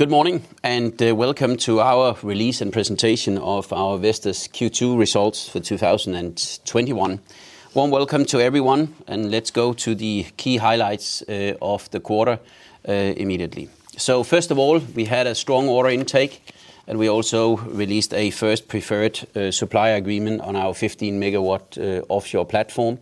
Good morning, and welcome to our release and presentation of our Vestas Q2 results for 2021. Warm welcome to everyone. Let's go to the key highlights of the quarter immediately. First of all, we had a strong order intake, and we also released a first preferred supplier agreement on our 15 MW offshore platform.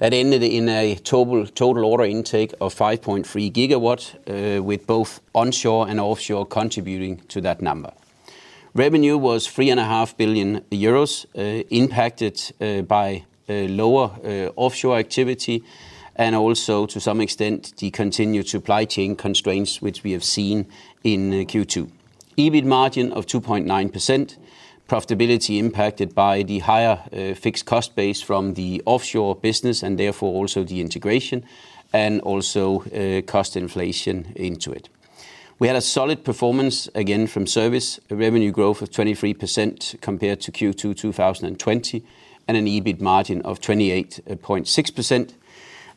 That ended in a total order intake of 5.3 GW, with both onshore and offshore contributing to that number. Revenue was 3.5 billion euros, impacted by lower offshore activity and also, to some extent, the continued supply chain constraints which we have seen in Q2. EBIT margin of 2.9%, profitability impacted by the higher fixed cost base from the offshore business and therefore also the integration, and also cost inflation into it. We had a solid performance, again from service, a revenue growth of 23% compared to Q2 2020, and an EBIT margin of 28.6%.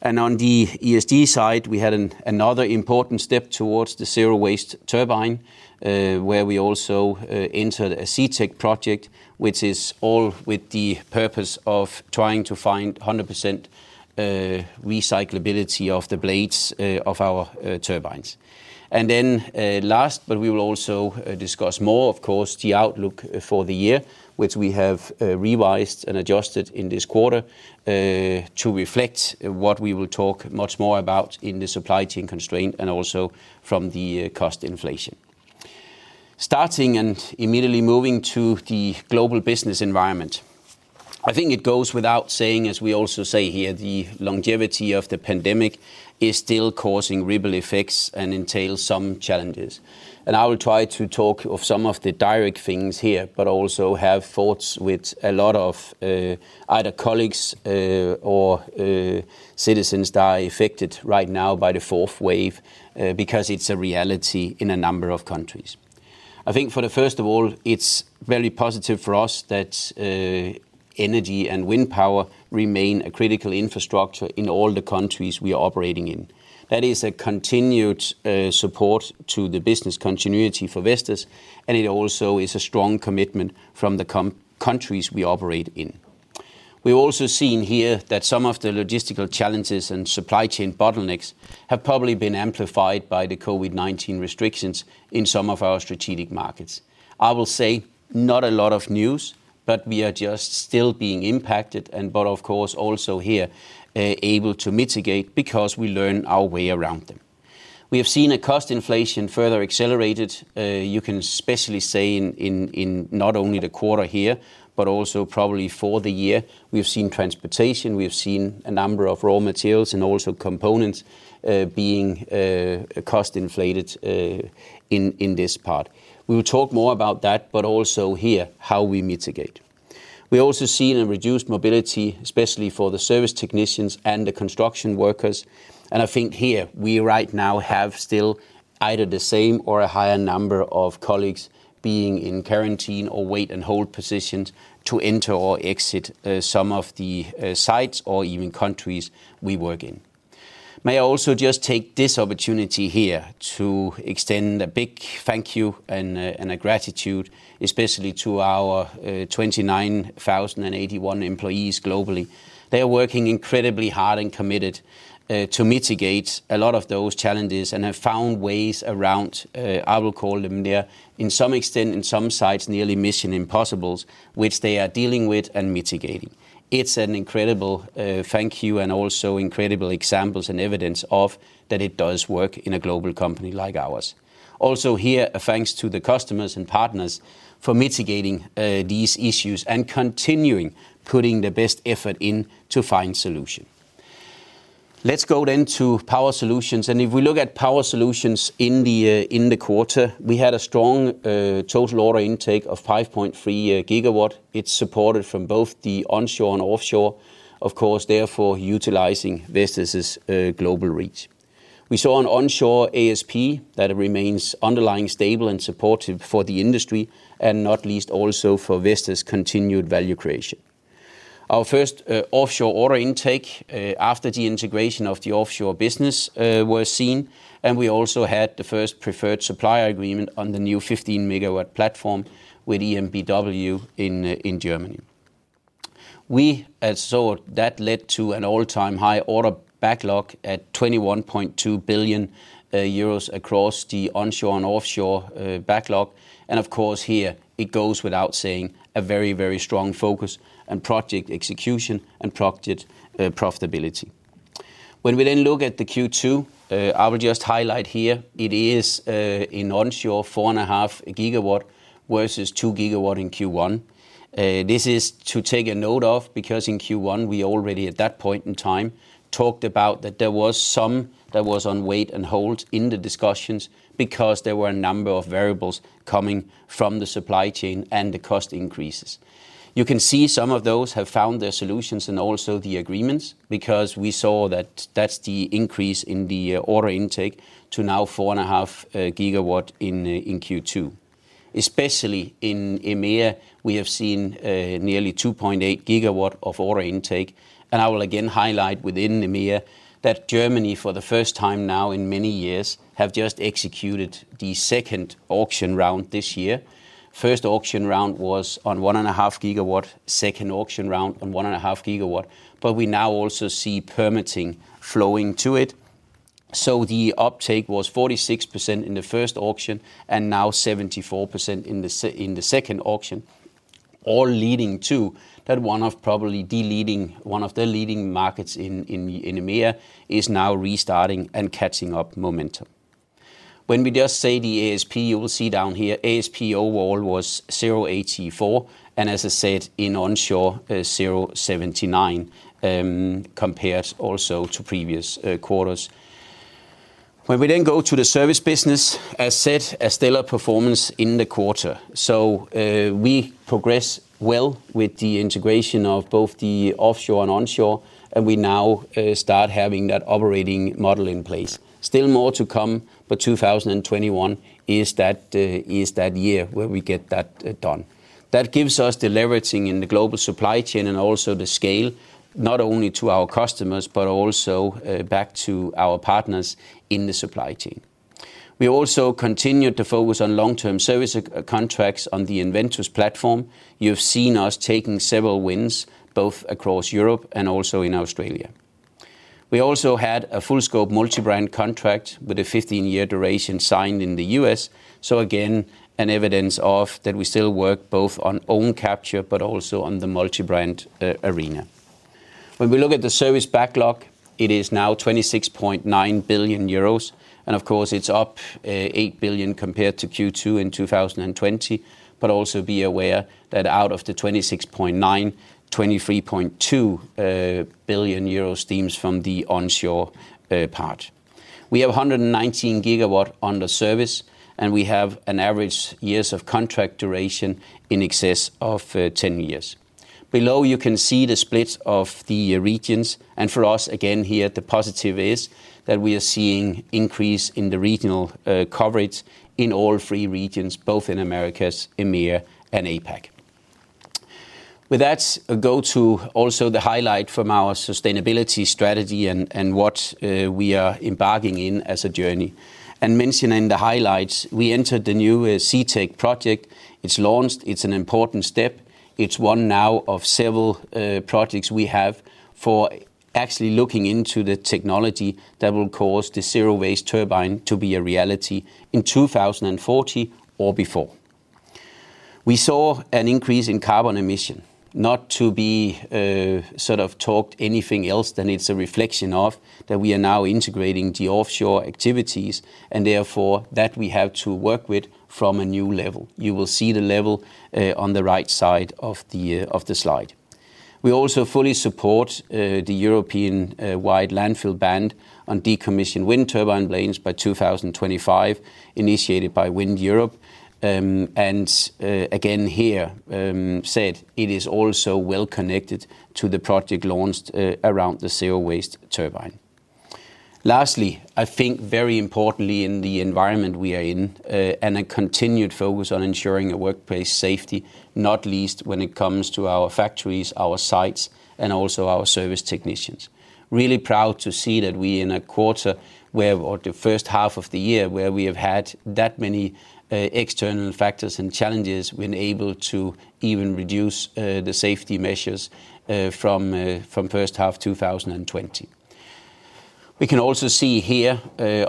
On the ESG side, we had another important step towards the zero-waste turbine, where we also entered a CETEC project, which is all with the purpose of trying to find 100% recyclability of the blades of our turbines. Last, we will also discuss more, of course, the outlook for the year, which we have revised and adjusted in this quarter, to reflect what we will talk much more about in the supply chain constraint and also from the cost inflation. Starting and immediately moving to the global business environment. I think it goes without saying, as we also say here, the longevity of the pandemic is still causing ripple effects and entails some challenges. I will try to talk of some of the direct things here, but also have thoughts with a lot of either colleagues or citizens that are affected right now by the fourth wave, because it's a reality in a number of countries. I think for the first of all, it's very positive for us that energy and wind power remain a critical infrastructure in all the countries we are operating in. That is a continued support to the business continuity for Vestas, and it also is a strong commitment from the countries we operate in. We've also seen here that some of the logistical challenges and supply chain bottlenecks have probably been amplified by the COVID-19 restrictions in some of our strategic markets. I will say not a lot of news, but we are just still being impacted, but of course also here, able to mitigate because we learn our way around them. We have seen a cost inflation further accelerated, you can especially say in not only the quarter here, but also probably for the year. We have seen transportation, we have seen a number of raw materials, and also components being cost inflated in this part. We will talk more about that, but also here, how we mitigate. We also seen a reduced mobility, especially for the service technicians and the construction workers. I think here, we right now have still either the same or a higher number of colleagues being in quarantine or wait and hold positions to enter or exit some of the sites or even countries we work in. May I also just take this opportunity here to extend a big thank you and a gratitude, especially to our 29,081 employees globally. They are working incredibly hard and committed to mitigate a lot of those challenges and have found ways around, I will call them, they are in some extent, in some sites, nearly mission impossibles, which they are dealing with and mitigating. It's an incredible thank you and also incredible examples and evidence of that it does work in a global company like ours. Also here, thanks to the customers and partners for mitigating these issues and continuing putting their best effort in to find solution. Let's go to Power Solutions. If we look at Power Solutions in the quarter, we had a strong total order intake of 5.3 GW. It's supported from both the onshore and offshore, of course, therefore, utilizing Vestas' global reach. We saw an onshore ASP that remains underlying stable and supportive for the industry, not least also for Vestas' continued value creation. Our first offshore order intake after the integration of the offshore business was seen, we also had the first preferred supplier agreement on the new 15-MW platform with EnBW in Germany. We saw that led to an all-time high order backlog at 21.2 billion euros across the onshore and offshore backlog. Of course, here it goes without saying, a very strong focus on project execution and profitability. When we then look at the Q2, I will just highlight here, it is in onshore 4.5 GW versus 2 GW in Q1. This is to take a note of, because in Q1 we already at that point in time talked about that there was some that was on wait and hold in the discussions because there were a number of variables coming from the supply chain and the cost increases. You can see some of those have found their solutions and also the agreements, because we saw that that's the increase in the order intake to now 4.5 GW in Q2. Especially in EMEA, we have seen nearly 2.8 GW of order intake. I will again highlight within EMEA that Germany, for the first time now in many years, have just executed the second auction round this year. First auction round was on 1.5 GW, second auction round on 1.5 GW, but we now also see permitting flowing to it. The uptake was 46% in the first auction, and now 74% in the second auction, all leading to that one of the leading markets in EMEA is now restarting and catching up momentum. We just say the ASP, you will see down here ASP overall was 0.84, and as I said, in onshore, 0.79, compared also to previous quarters. We then go to the service business, as said, a stellar performance in the quarter. We progress well with the integration of both the offshore and onshore, and we now start having that operating model in place. Still more to come for 2021 is that year where we get that done. That gives us the leveraging in the global supply chain and also the scale, not only to our customers, but also back to our partners in the supply chain. We also continued to focus on long-term service contracts on the EnVentus platform. You've seen us taking several wins, both across Europe and also in Australia. We also had a full scope multi-brand contract with a 15-year duration signed in the U.S. Again, an evidence of that we still work both on own capture, but also on the multi-brand arena. When we look at the service backlog, it is now 26.9 billion euros, and of course it's up 8 billion compared to Q2 2020, but also be aware that out of the 26.9 billion, 23.2 billion euros stems from the onshore part. We have 119 GW under service, and we have an average years of contract duration in excess of 10 years. Below, you can see the split of the regions, and for us, again, here, the positive is that we are seeing increase in the regional coverage in all three regions, both in Americas, EMEA, and APAC. With that, go to also the highlight from our sustainability strategy and what we are embarking in as a journey. Mentioning the highlights, we entered the new CETEC project. It's launched. It's an important step. It's one now of several projects we have for actually looking into the technology that will cause the zero-waste turbine to be a reality in 2040 or before. We saw an increase in carbon emission. Not to be sort of talked anything else than it's a reflection of that we are now integrating the offshore activities, and therefore, that we have to work with from a new level. You will see the level on the right side of the slide. We also fully support the European-wide landfill ban on decommissioned wind turbine blades by 2025, initiated by WindEurope, again here said it is also well connected to the project launched around the zero-waste turbine. Lastly, I think very importantly in the environment we are in, a continued focus on ensuring a workplace safety, not least when it comes to our factories, our sites, and also our service technicians. Really proud to see that we in a quarter where, or the first half of the year, where we have had that many external factors and challenges, we've been able to even reduce the safety measures from first half 2020. We can also see here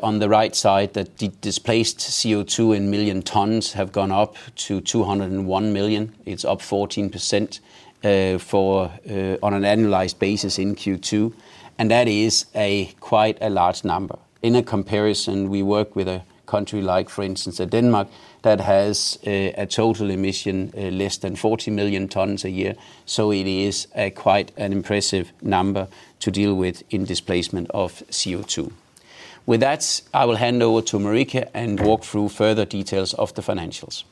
on the right side that the displaced CO2 in million tons have gone up to 201 million. It is up 14% on an annualized basis in Q2, and that is quite a large number. In a comparison, we work with a country like, for instance, Denmark, that has a total emission less than 40 million tons a year, so it is quite an impressive number to deal with in displacement of CO2. With that, I will hand over to Marika and walk through further details of the financials.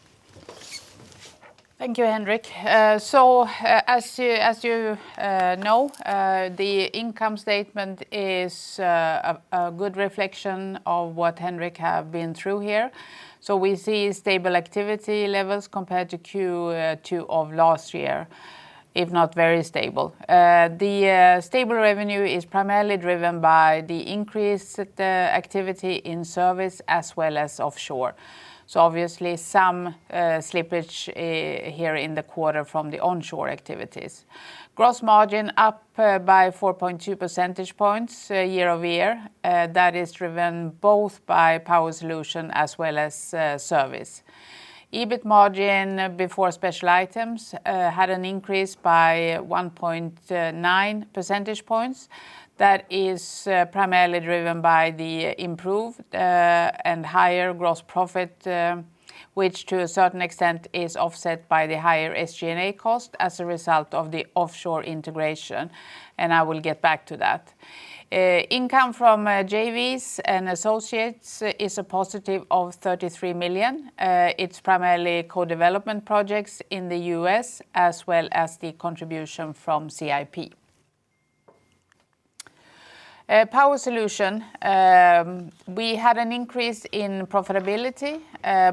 Thank you, Henrik. As you know, the income statement is a good reflection of what Henrik have been through here. We see stable activity levels compared to Q2 of last year, if not very stable. The stable revenue is primarily driven by the increased activity in service as well as offshore. Obviously some slippage here in the quarter from the onshore activities. Gross margin up by 4.2 percentage points year-over-year. That is driven both by Power Solutions as well as service. EBIT margin before special items had an increase by 1.9 percentage points. That is primarily driven by the improved and higher gross profit, which to a certain extent is offset by the higher SG&A cost as a result of the offshore integration. I will get back to that. Income from JVs and associates is a positive of 33 million. It's primarily co-development projects in the U.S. as well as the contribution from CIP. Power Solutions. We had an increase in profitability,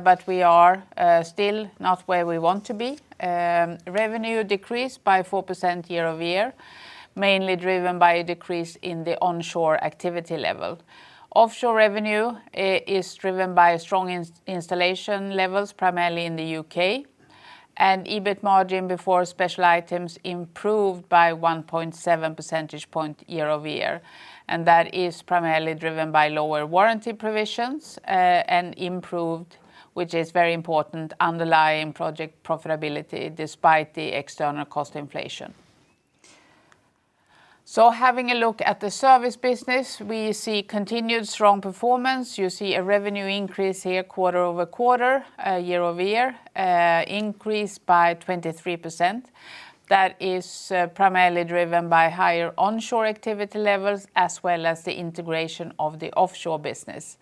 but we are still not where we want to be. Revenue decreased by 4% year-over-year, mainly driven by a decrease in the onshore activity level. Offshore revenue is driven by strong installation levels, primarily in the U.K., and EBIT margin before special items improved by 1.7 percentage point year-over-year. That is primarily driven by lower warranty provisions, and improved, which is very important, underlying project profitability despite the external cost inflation. Having a look at the service business, we see continued strong performance. You see a revenue increase here quarter-over-quarter, year-over-year, increase by 23%. That is primarily driven by higher onshore activity levels as well as the integration of the offshore business.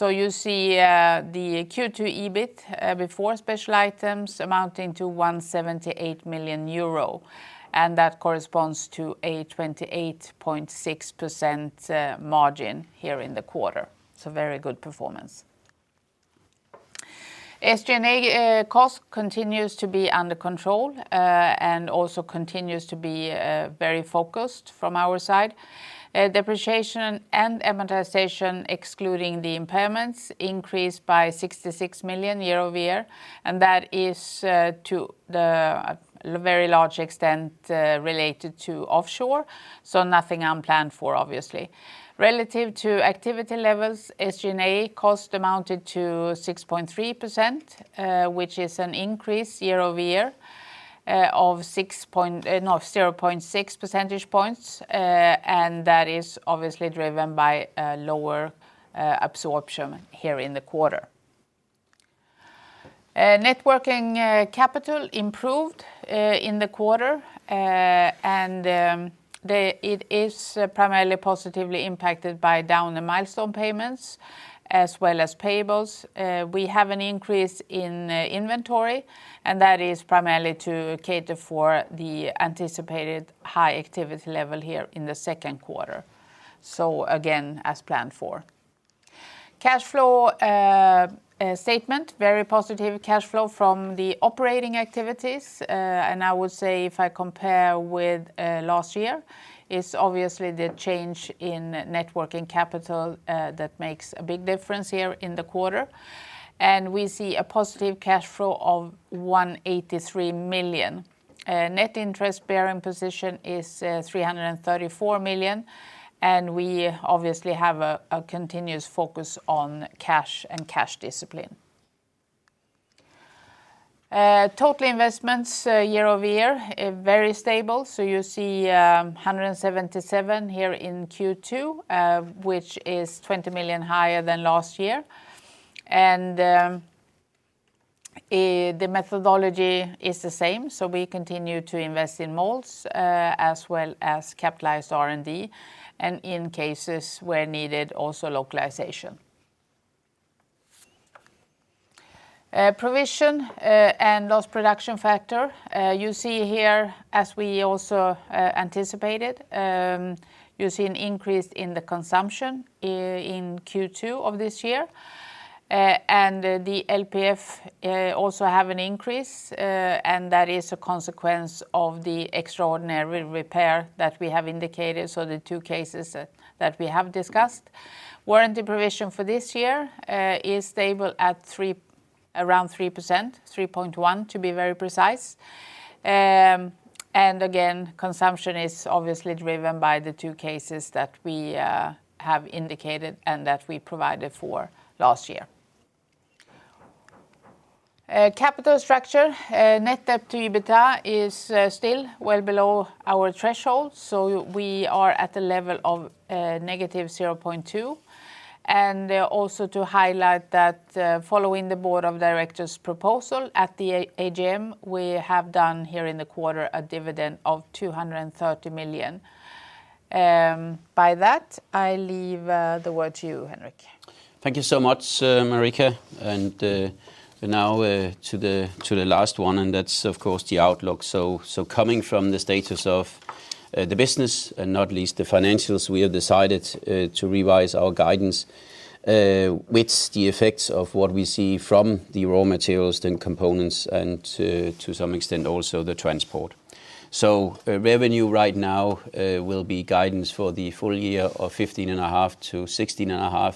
You see the Q2 EBIT, before special items, amounting to 178 million euro, and that corresponds to a 28.6% margin here in the quarter. Very good performance. SG&A cost continues to be under control, and also continues to be very focused from our side. Depreciation and amortization, excluding the impairments, increased by 66 million year-over-year, and that is to the very large extent related to offshore, so nothing unplanned for, obviously. Relative to activity levels, SG&A cost amounted to 6.3%, which is an increase year-over-year of 0.6 percentage points, and that is obviously driven by lower absorption here in the quarter. Networking capital improved in the quarter. It is primarily positively impacted by down the milestone payments as well as payables. We have an increase in inventory, and that is primarily to cater for the anticipated high activity level here in the second quarter. Again, as planned for. Cash flow statement, very positive cash flow from the operating activities. I would say if I compare with last year, it's obviously the change in networking capital that makes a big difference here in the quarter. We see a positive cash flow of 183 million. Net interest bearing position is 334 million, and we obviously have a continuous focus on cash and cash discipline. Total investments year-over-year, very stable. You see 177 here in Q2, which is 20 million higher than last year. The methodology is the same, so we continue to invest in molds, as well as capitalized R&D, and in cases where needed, also localization. Provision and Lost Production Factor, you see here as we also anticipated, you see an increase in the consumption in Q2 of this year. The LPF also have an increase, and that is a consequence of the extraordinary repair that we have indicated, so the two cases that we have discussed. Warranty provision for this year is stable at around 3%, 3.1% to be very precise. Again, consumption is obviously driven by the two cases that we have indicated and that we provided for last year. Capital structure, net debt to EBITDA is still well below our threshold, so we are at a level of negative 0.2. Also to highlight that following the board of directors' proposal at the AGM, we have done here in the quarter a dividend of 230 million. By that, I leave the word to you, Henrik. Thank you so much, Marika. Now to the last one, and that's of course the outlook. Coming from the status of the business and not least the financials, we have decided to revise our guidance with the effects of what we see from the raw materials and components and to some extent also the transport. Revenue right now will be guidance for the full year of 15.5 billion-16.5 billion,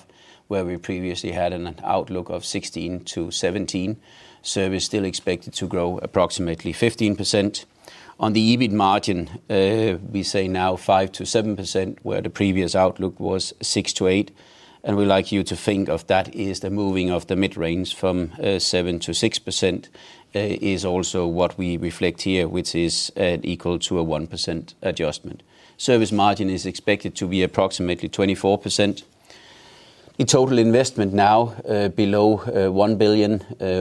where we previously had an outlook of 16 billion-17 billion. Service still expected to grow approximately 15%. On the EBIT margin, we say now 5%-7%, where the previous outlook was 6%-8%. We'd like you to think of that as the moving of the mid-range from 7% to 6% is also what we reflect here, which is equal to a 1% adjustment. Service margin is expected to be approximately 24%. In total investment now below 1 billion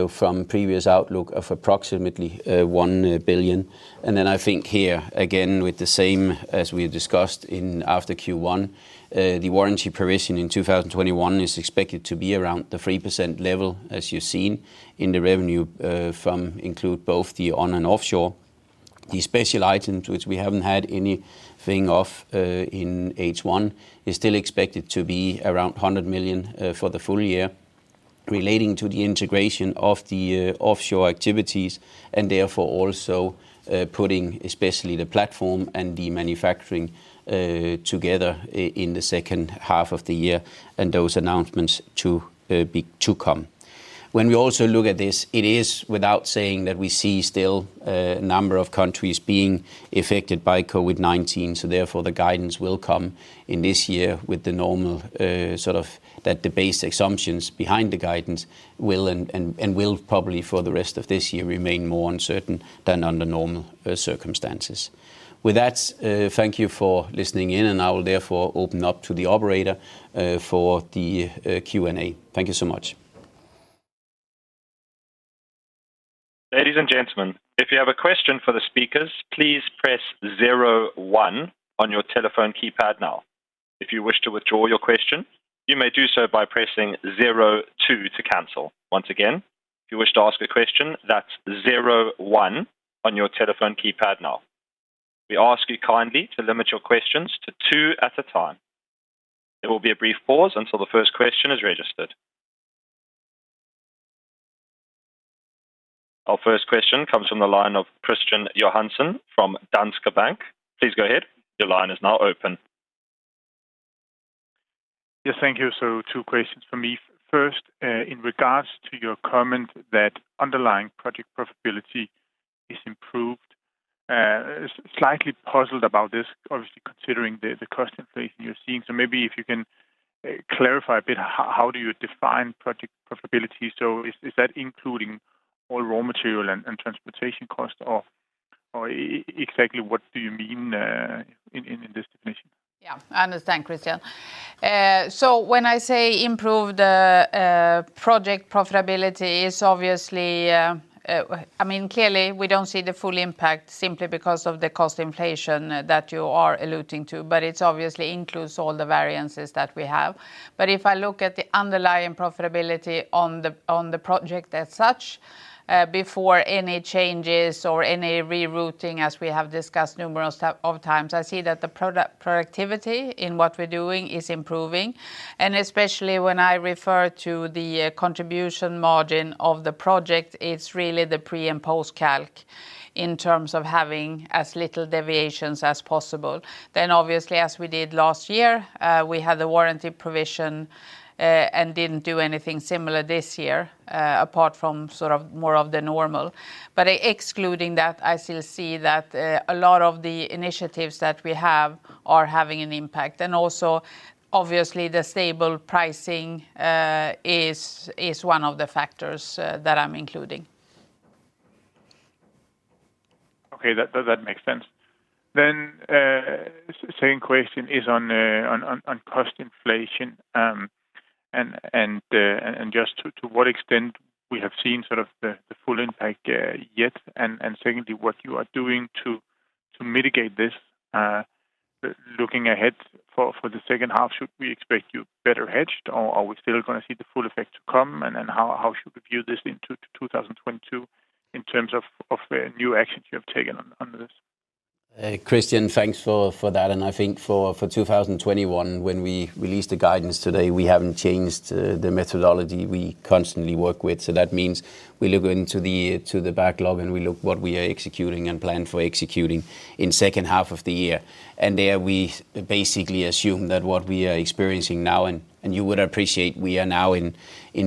from previous outlook of approximately 1 billion. I think here, again, with the same as we have discussed after Q1, the warranty provision in 2021 is expected to be around the 3% level, as you've seen in the revenue from include both the on and offshore. The special items which we haven't had anything of in H1 is still expected to be around 100 million for the full year, relating to the integration of the offshore activities, and therefore also, putting especially the platform and the manufacturing together in the second half of the year, and those announcements to come. When we also look at this, it is without saying that we see still a number of countries being affected by COVID-19, so therefore the guidance will come in this year with the normal, that the base assumptions behind the guidance, and will probably for the rest of this year remain more uncertain than under normal circumstances. With that, thank you for listening in, and I will therefore open up to the operator for the Q&A. Thank you so much. Ladies and gentlemen, if you have a question for the speakers, please press zero one on your telephone keypad now. If you wish to withdraw your question, you may do so by pressing zero two to cancel. Once again, if you wish to ask a question, that's zero one on your telephone keypad now. We ask you kindly to limit your questions to two at a time. There will be a brief pause until the first question is registered. Our first question comes from the line of Kristian Johansen from Danske Bank. Please go ahead. Your line is now open. Yes. Thank you. Two questions from me. First, in regards to your comment that underlying project profitability is improved. Slightly puzzled about this, obviously, considering the cost inflation you're seeing. Maybe if you can clarify a bit, how do you define project profitability? Is that including all raw material and transportation cost off, or exactly what do you mean, in this definition? Yeah. I understand, Kristian. When I say improved, project profitability is obviously Clearly, we don't see the full impact simply because of the cost inflation that you are alluding to, but it's obviously includes all the variances that we have. If I look at the underlying profitability on the project as such, before any changes or any rerouting as we have discussed numerous of times, I see that the productivity in what we're doing is improving. Especially when I refer to the contribution margin of the project, it's really the pre and post calc in terms of having as little deviations as possible. Obviously, as we did last year, we had the warranty provision, and didn't do anything similar this year, apart from more of the normal. Excluding that, I still see that a lot of the initiatives that we have are having an impact. Also, obviously, the stable pricing is one of the factors that I'm including. Okay. That makes sense. Same question is on cost inflation, and just to what extent we have seen the full impact yet, and secondly, what you are doing to mitigate this, looking ahead for the second half. Should we expect you better hedged, or are we still going to see the full effect to come? How should we view this into 2022 in terms of new actions you have taken on this? Kristian, thanks for that. I think for 2021, when we released the guidance today, we haven't changed the methodology we constantly work with. That means we look into the backlog, and we look what we are executing and plan for executing in second half of the year. There we basically assume that what we are experiencing now, you would appreciate we are now in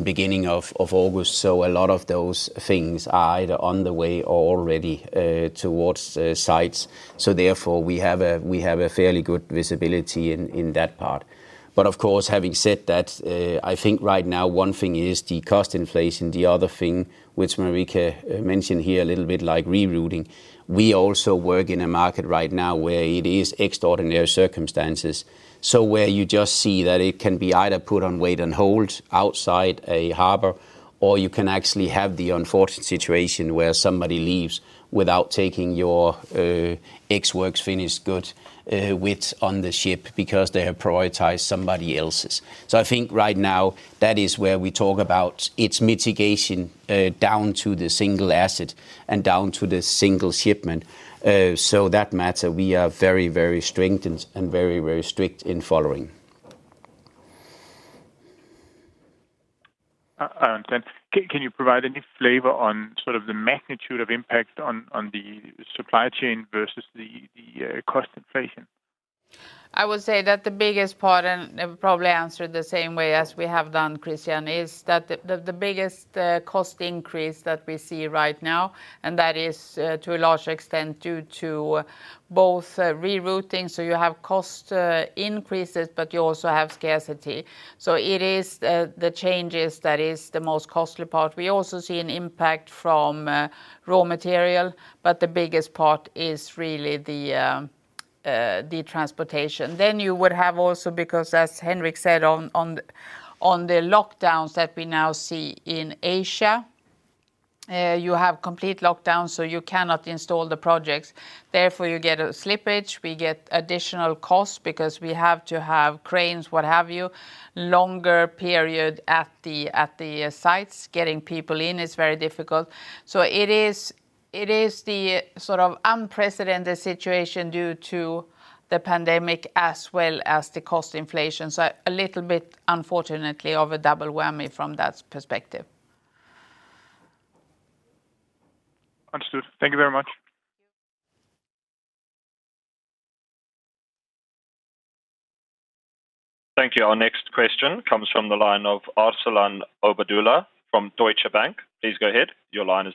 beginning of August, a lot of those things are either on the way or already towards sites. Therefore, we have a fairly good visibility in that part. Of course, having said that, I think right now one thing is the cost inflation. The other thing, which Marika mentioned here a little bit, like rerouting. We also work in a market right now where it is extraordinary circumstances. Where you just see that it can be either put on wait and hold outside a harbor, or you can actually have the unfortunate situation where somebody leaves without taking your ex works finished good with on the ship because they have prioritized somebody else's. I think right now that is where we talk about its mitigation, down to the single asset and down to the single shipment. That matter, we are very, very strengthened and very, very strict in following. Understood. Can you provide any flavor on sort of the magnitude of impact on the supply chain versus the cost inflation? I would say that the biggest part, probably answered the same way as we have done, Kristian, is that the biggest cost increase that we see right now, that is to a large extent due to both rerouting. You have cost increases, but you also have scarcity. It is the changes that is the most costly part. We also see an impact from raw material. The biggest part is really the transportation. You would have also, because as Henrik said on the lockdowns that we now see in Asia, you have complete lockdown. You cannot install the projects. Therefore, you get a slippage. We get additional costs because we have to have cranes, what have you, longer period at the sites. Getting people in is very difficult. It is the sort of unprecedented situation due to the pandemic as well as the cost inflation. A little bit, unfortunately, of a double whammy from that perspective. Understood. Thank you very much. Thank you. Our next question comes from the line of Arsalan Obaidullah from Deutsche Bank. Please go ahead. Your line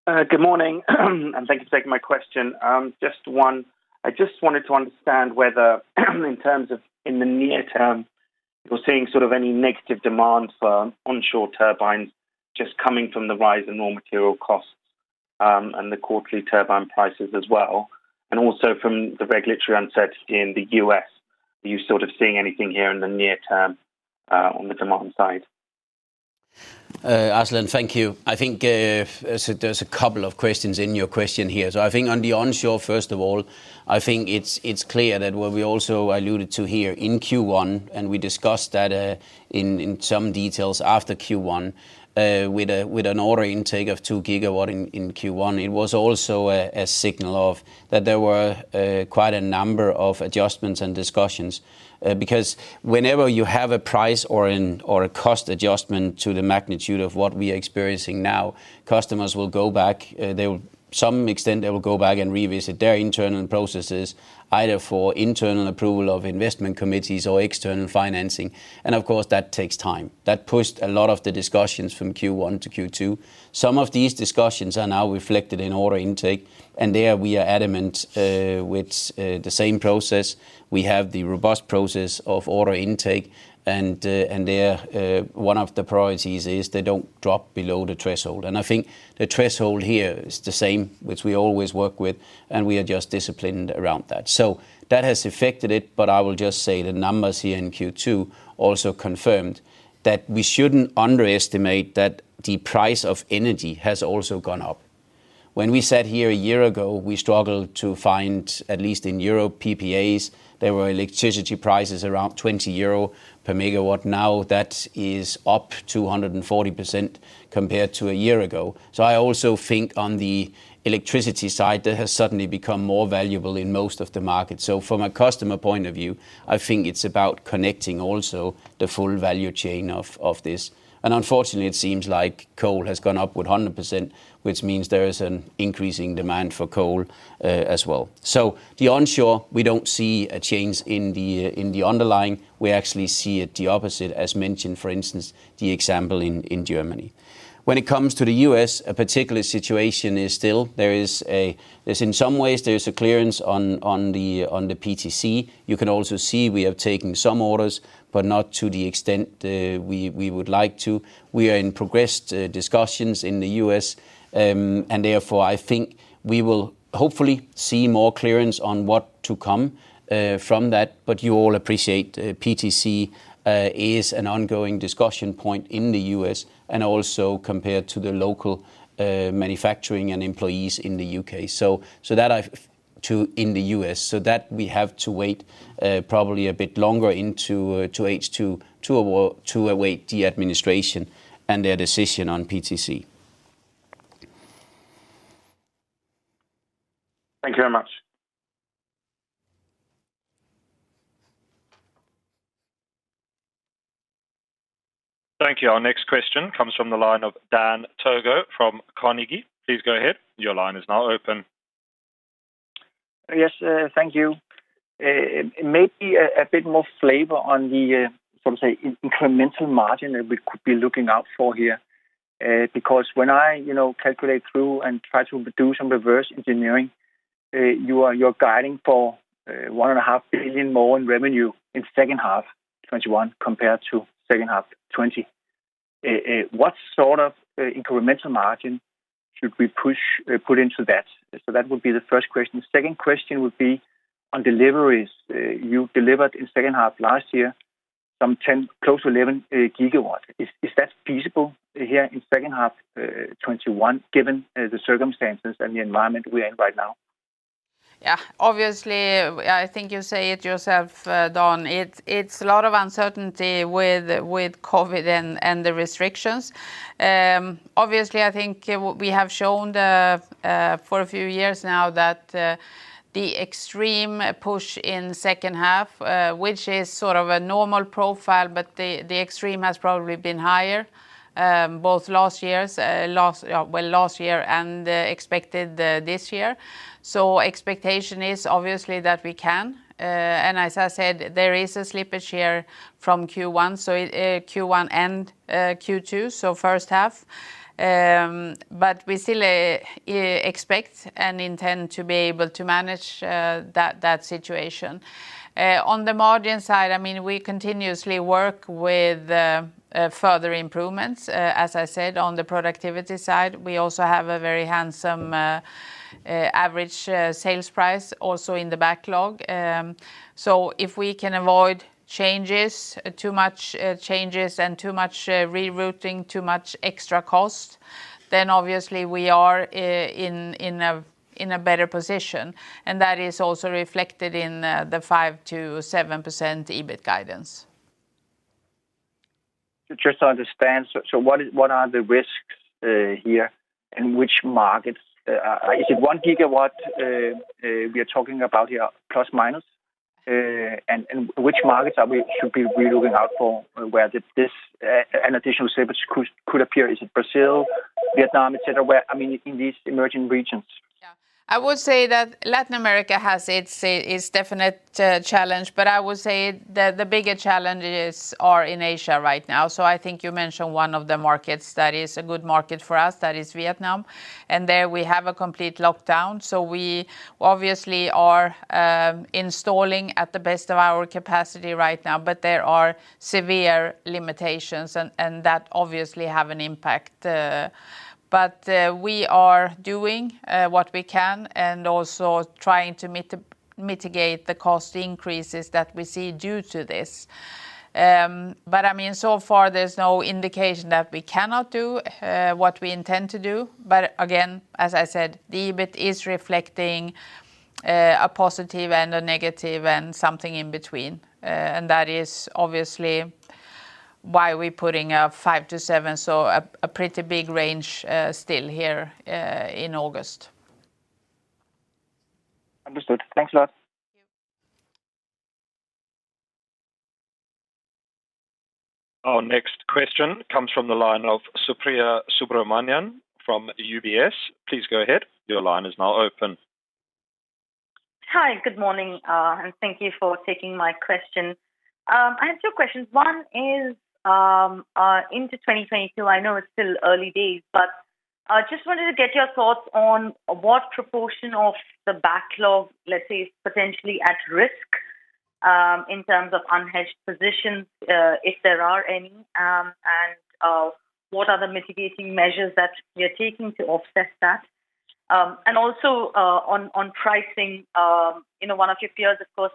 is now open. Good morning. Thank you for taking my question. Just one. I just wanted to understand whether, in terms of in the near term, you're seeing sort of any negative demand for onshore turbines just coming from the rise in raw material costs, and the quarterly turbine prices as well, and also from the regulatory uncertainty in the U.S. Are you sort of seeing anything here in the near term, on the demand side? Arsalan, thank you. I think there's a couple of questions in your question here. I think on the onshore, first of all, I think it's clear that what we also alluded to here in Q1, and we discussed that in some details after Q1, with an order intake of 2 GW in Q1, it was also a signal that there were quite a number of adjustments and discussions. Whenever you have a price or a cost adjustment to the magnitude of what we are experiencing now, customers will go back. To some extent, they will go back and revisit their internal processes, either for internal approval of investment committees or external financing. Of course, that takes time. That pushed a lot of the discussions from Q1-Q2. Some of these discussions are now reflected in order intake, and there we are adamant with the same process. We have the robust process of order intake, there one of the priorities is they don't drop below the threshold. I think the threshold here is the same, which we always work with, we are just disciplined around that. That has affected it, I will just say the numbers here in Q2 also confirmed that we shouldn't underestimate that the price of energy has also gone up. When we sat here a year ago, we struggled to find, at least in Europe, PPAs. There were electricity prices around 20 euro per MW. Now, that is up 240% compared to a year ago. I also think on the electricity side, that has suddenly become more valuable in most of the markets. From a customer point of view, I think it's about connecting also the full value chain of this. Unfortunately, it seems like coal has gone up 100%, which means there is an increasing demand for coal, as well. The onshore, we don't see a change in the underlying. We actually see it the opposite, as mentioned, for instance, the example in Germany. When it comes to the U.S., a particular situation is still there is, in some ways, there's a clearance on the PTC. You can also see we have taken some orders, but not to the extent we would like to. We are in progressed discussions in the U.S., and therefore, I think we will hopefully see more clearance on what to come from that. You all appreciate PTC is an ongoing discussion point in the U.S., and also compared to the local manufacturing and employees in the U.K. In the U.S. That we have to wait probably a bit longer into H2 to await the administration and their decision on PTC. Thank you very much. Thank you. Our next question comes from the line of Dan Togo from Carnegie. Please go ahead. Your line is now open. Thank you. Maybe a bit more flavor on the, sort of, say, incremental margin that we could be looking out for here. When I calculate through and try to do some reverse engineering, you're guiding for 1.5 billion more in revenue in second half 2021 compared to second half 2020. What sort of incremental margin should we put into that? That would be the first question. Second question would be on deliveries. You delivered in second half last year, some 10, close to 11 GW. Is that feasible here in second half 2021, given the circumstances and the environment we're in right now? Yeah. Obviously, I think you say it yourself, Dan. It is a lot of uncertainty with COVID and the restrictions. Obviously, I think we have shown for a few years now that the extreme push in second half, which is sort of a normal profile, but the extreme has probably been higher, both last year and expected this year. Expectation is obviously that we can, and as I said, there is a slippage here from Q1, so Q1 and Q2, so first half. We still expect and intend to be able to manage that situation. On the margin side, we continuously work with further improvements, as I said, on the productivity side. We also have a very handsome average sales price also in the backlog. If we can avoid too much changes and too much rerouting, too much extra cost, then obviously we are in a better position, and that is also reflected in the 5%-7% EBIT guidance. Just to understand, what are the risks here, and which markets? Is it 1 GW we are talking about here, ±? Which markets should we be looking out for where this additional service could appear? Is it Brazil, Vietnam, etc.? I mean, in these emerging regions. Yeah. I would say that Latin America has its definite challenge, but I would say the bigger challenges are in Asia right now. I think you mentioned one of the markets that is a good market for us, that is Vietnam, and there we have a complete lockdown. We obviously are installing at the best of our capacity right now, but there are severe limitations, and that obviously have an impact. We are doing what we can and also trying to mitigate the cost increases that we see due to this. I mean, so far there's no indication that we cannot do what we intend to do. Again, as I said, the EBIT is reflecting a positive and a negative and something in between. That is obviously why we're putting a 5%-7%, so a pretty big range still here in August. Understood. Thanks a lot. Thank you. Our next question comes from the line of Supriya Subramanian from UBS. Please go ahead. Your line is now open. Hi. Good morning. Thank you for taking my question. I have two questions. One is, into 2022, I know it's still early days, just wanted to get your thoughts on what proportion of the backlog, let's say, is potentially at risk, in terms of unhedged positions, if there are any, what are the mitigating measures that you're taking to offset that? Also, on pricing, one of your peers, of course,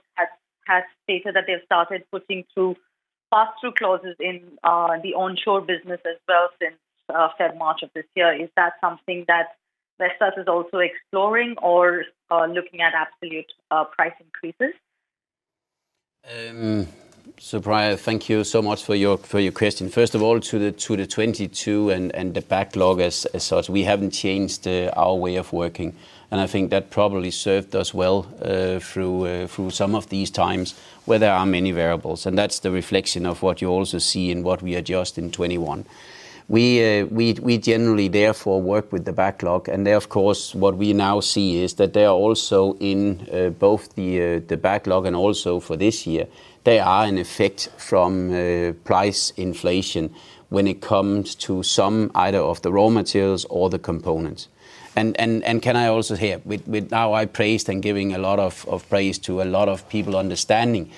has stated that they've started putting through pass-through clauses in the onshore business as well since March of this year. Is that something that Vestas is also exploring or looking at absolute price increases? Supriya, thank you so much for your question. First of all, to the 2022 and the backlog as such, we haven't changed our way of working, and I think that probably served us well through some of these times where there are many variables, and that's the reflection of what you also see in what we adjust in 2021. We generally, therefore, work with the backlog, and there, of course, what we now see is that they are also in both the backlog and also for this year, they are in effect from price inflation when it comes to some either of the raw materials or the components. Can I also here, now I praised and giving a lot of praise to a lot of people understanding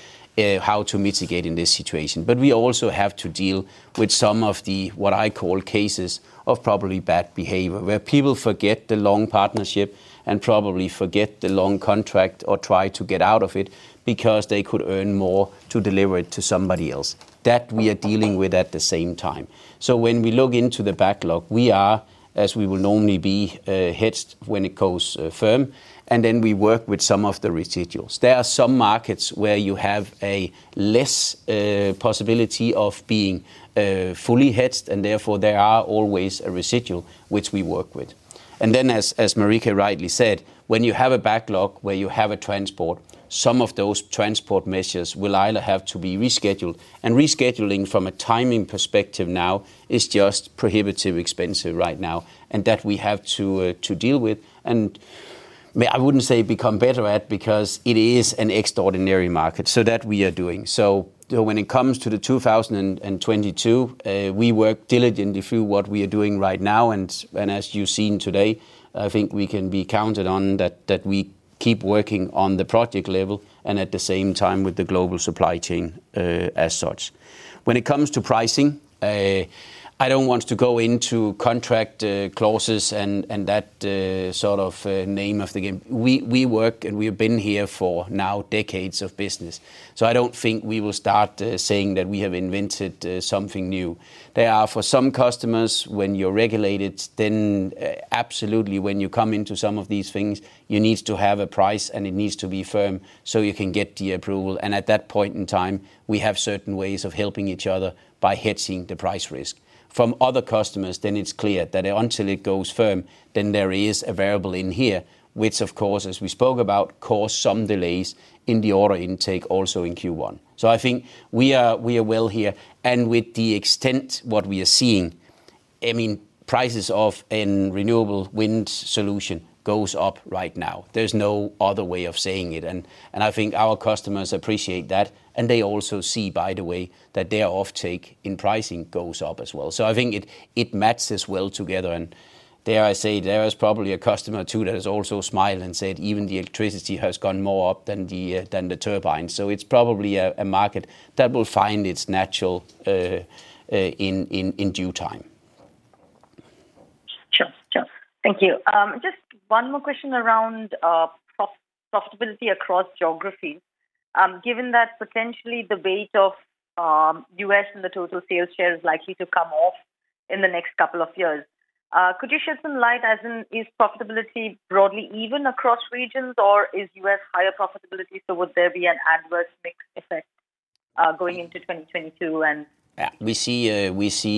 how to mitigate in this situation. We also have to deal with some of the, what I call, cases of probably bad behavior, where people forget the long partnership and probably forget the long contract or try to get out of it because they could earn more to deliver it to somebody else. That we are dealing with at the same time. When we look into the backlog, we are, as we will normally be, hedged when it goes firm, and then we work with some of the residuals. There are some markets where you have a less possibility of being fully hedged, and therefore, there are always a residual which we work with. Then as Marika rightly said, when you have a backlog where you have a transport, some of those transport measures will either have to be rescheduled. Rescheduling from a timing perspective now is just prohibitively expensive right now, and that we have to deal with, and, I wouldn't say become better at, because it is an extraordinary market. That we are doing. When it comes to the 2022, we work diligently through what we are doing right now, and as you've seen today, I think we can be counted on that we keep working on the project level and at the same time with the global supply chain as such. When it comes to pricing, I don't want to go into contract clauses and that sort of name of the game. We work, and we have been here for now decades of business. I don't think we will start saying that we have invented something new. There are for some customers, when you're regulated, absolutely when you come into some of these things, you need to have a price. It needs to be firm so you can get the approval. At that point in time, we have certain ways of helping each other by hedging the price risk. From other customers, it's clear that until it goes firm, there is a variable in here, which of course, as we spoke about, caused some delays in the order intake also in Q1. I think we are well here. With the extent what we are seeing, I mean, prices of a renewable wind solution goes up right now. There's no other way of saying it. I think our customers appreciate that. They also see, by the way, that their offtake in pricing goes up as well. I think it matches well together, and dare I say, there is probably a customer or two that has also smiled and said even the electricity has gone more up than the turbine. It's probably a market that will find its natural in due time. Sure. Thank you. Just one more question around profitability across geographies. Given that potentially the weight of U.S. and the total sales share is likely to come off. In the next couple of years. Could you shed some light, as in is profitability broadly even across regions, or is U.S. higher profitability, so would there be an adverse mix effect going into 2022? We see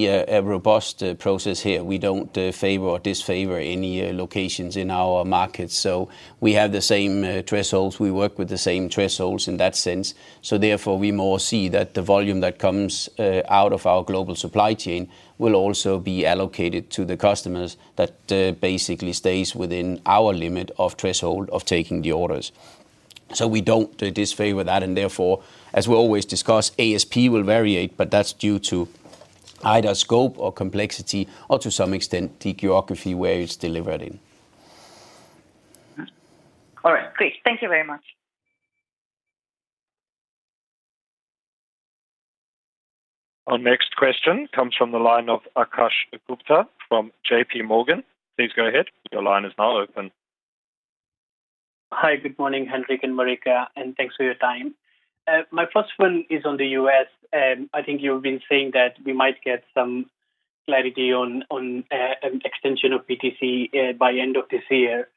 a robust process here. We don't favor or disfavor any locations in our markets, so we have the same thresholds. We work with the same thresholds in that sense. Therefore, we more see that the volume that comes out of our global supply chain will also be allocated to the customers that basically stays within our limit of threshold of taking the orders. We don't disfavor that, and therefore, as we always discuss, ASP will variate, but that's due to either scope or complexity or, to some extent, the geography where it's delivered in. All right, great. Thank you very much. Our next question comes from the line of Akash Gupta from JPMorgan. Please go ahead. Hi, good morning, Henrik and Marika, and thanks for your time. My first one is on the U.S. I think you've been saying that we might get some clarity on an extension of PTC by end of this year.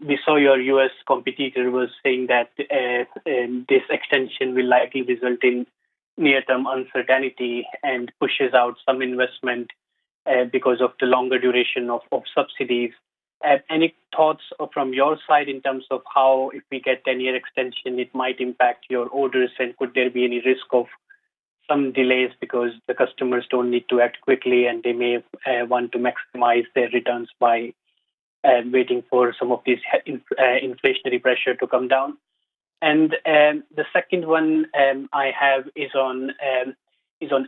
We saw your U.S. competitor was saying that this extension will likely result in near-term uncertainty and pushes out some investment because of the longer duration of subsidies. Any thoughts from your side in terms of how, if we get 10-year extension, it might impact your orders, and could there be any risk of some delays because the customers don't need to act quickly, and they may want to maximize their returns by waiting for some of this inflationary pressure to come down? The second one I have is on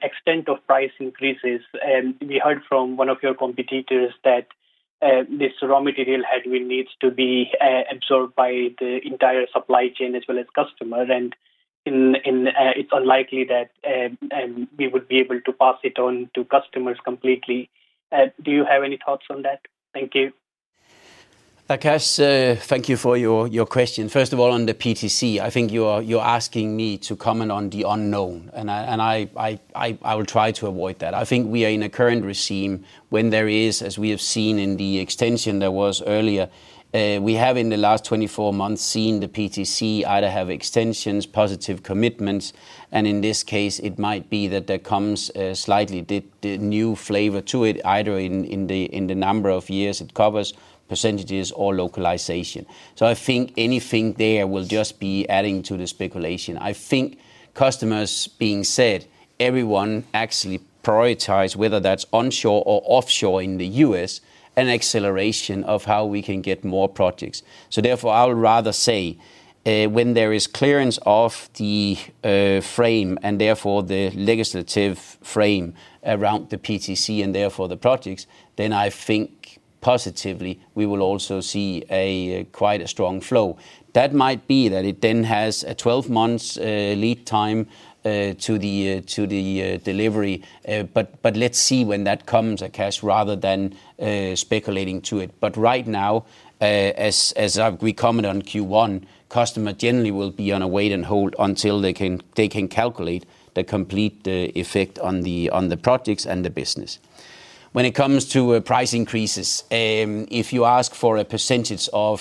extent of price increases. We heard from one of your competitors that this raw material headwind needs to be absorbed by the entire supply chain as well as customer, and it is unlikely that we would be able to pass it on to customers completely. Do you have any thoughts on that? Thank you. Akash, thank you for your question. First of all, on the PTC, I think you're asking me to comment on the unknown, and I will try to avoid that. I think we are in a current regime when there is, as we have seen in the extension that was earlier, we have, in the last 24 months, seen the PTC either have extensions, positive commitments, and in this case, it might be that there comes a slightly new flavor to it, either in the number of years it covers, percentages, or localization. I think anything there will just be adding to the speculation. I think customers being said, everyone actually prioritize, whether that's onshore or offshore in the U.S., an acceleration of how we can get more projects. Therefore, I would rather say, when there is clearance of the frame and therefore the legislative frame around the PTC and therefore the projects, then I think positively we will also see quite a strong flow. That might be that it then has a 12 months lead time to the delivery. Let's see when that comes, Akash, rather than speculating to it. Right now, as we commented on Q1, customer generally will be on a wait and hold until they can calculate the complete effect on the projects and the business. When it comes to price increases, if you ask for a percentage of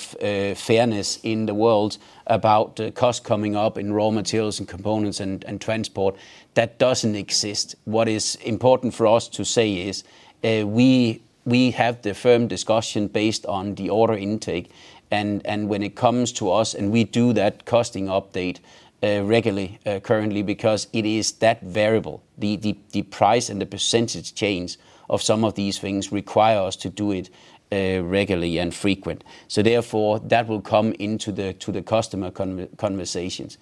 fairness in the world about cost coming up in raw materials and components and transport, that doesn't exist. What is important for us to say is we have the firm discussion based on the order intake, and when it comes to us, and we do that costing update regularly currently, because it is that variable. The price and the percentage change of some of these things require us to do it regularly and frequent. Therefore, that will come into the customer conversations.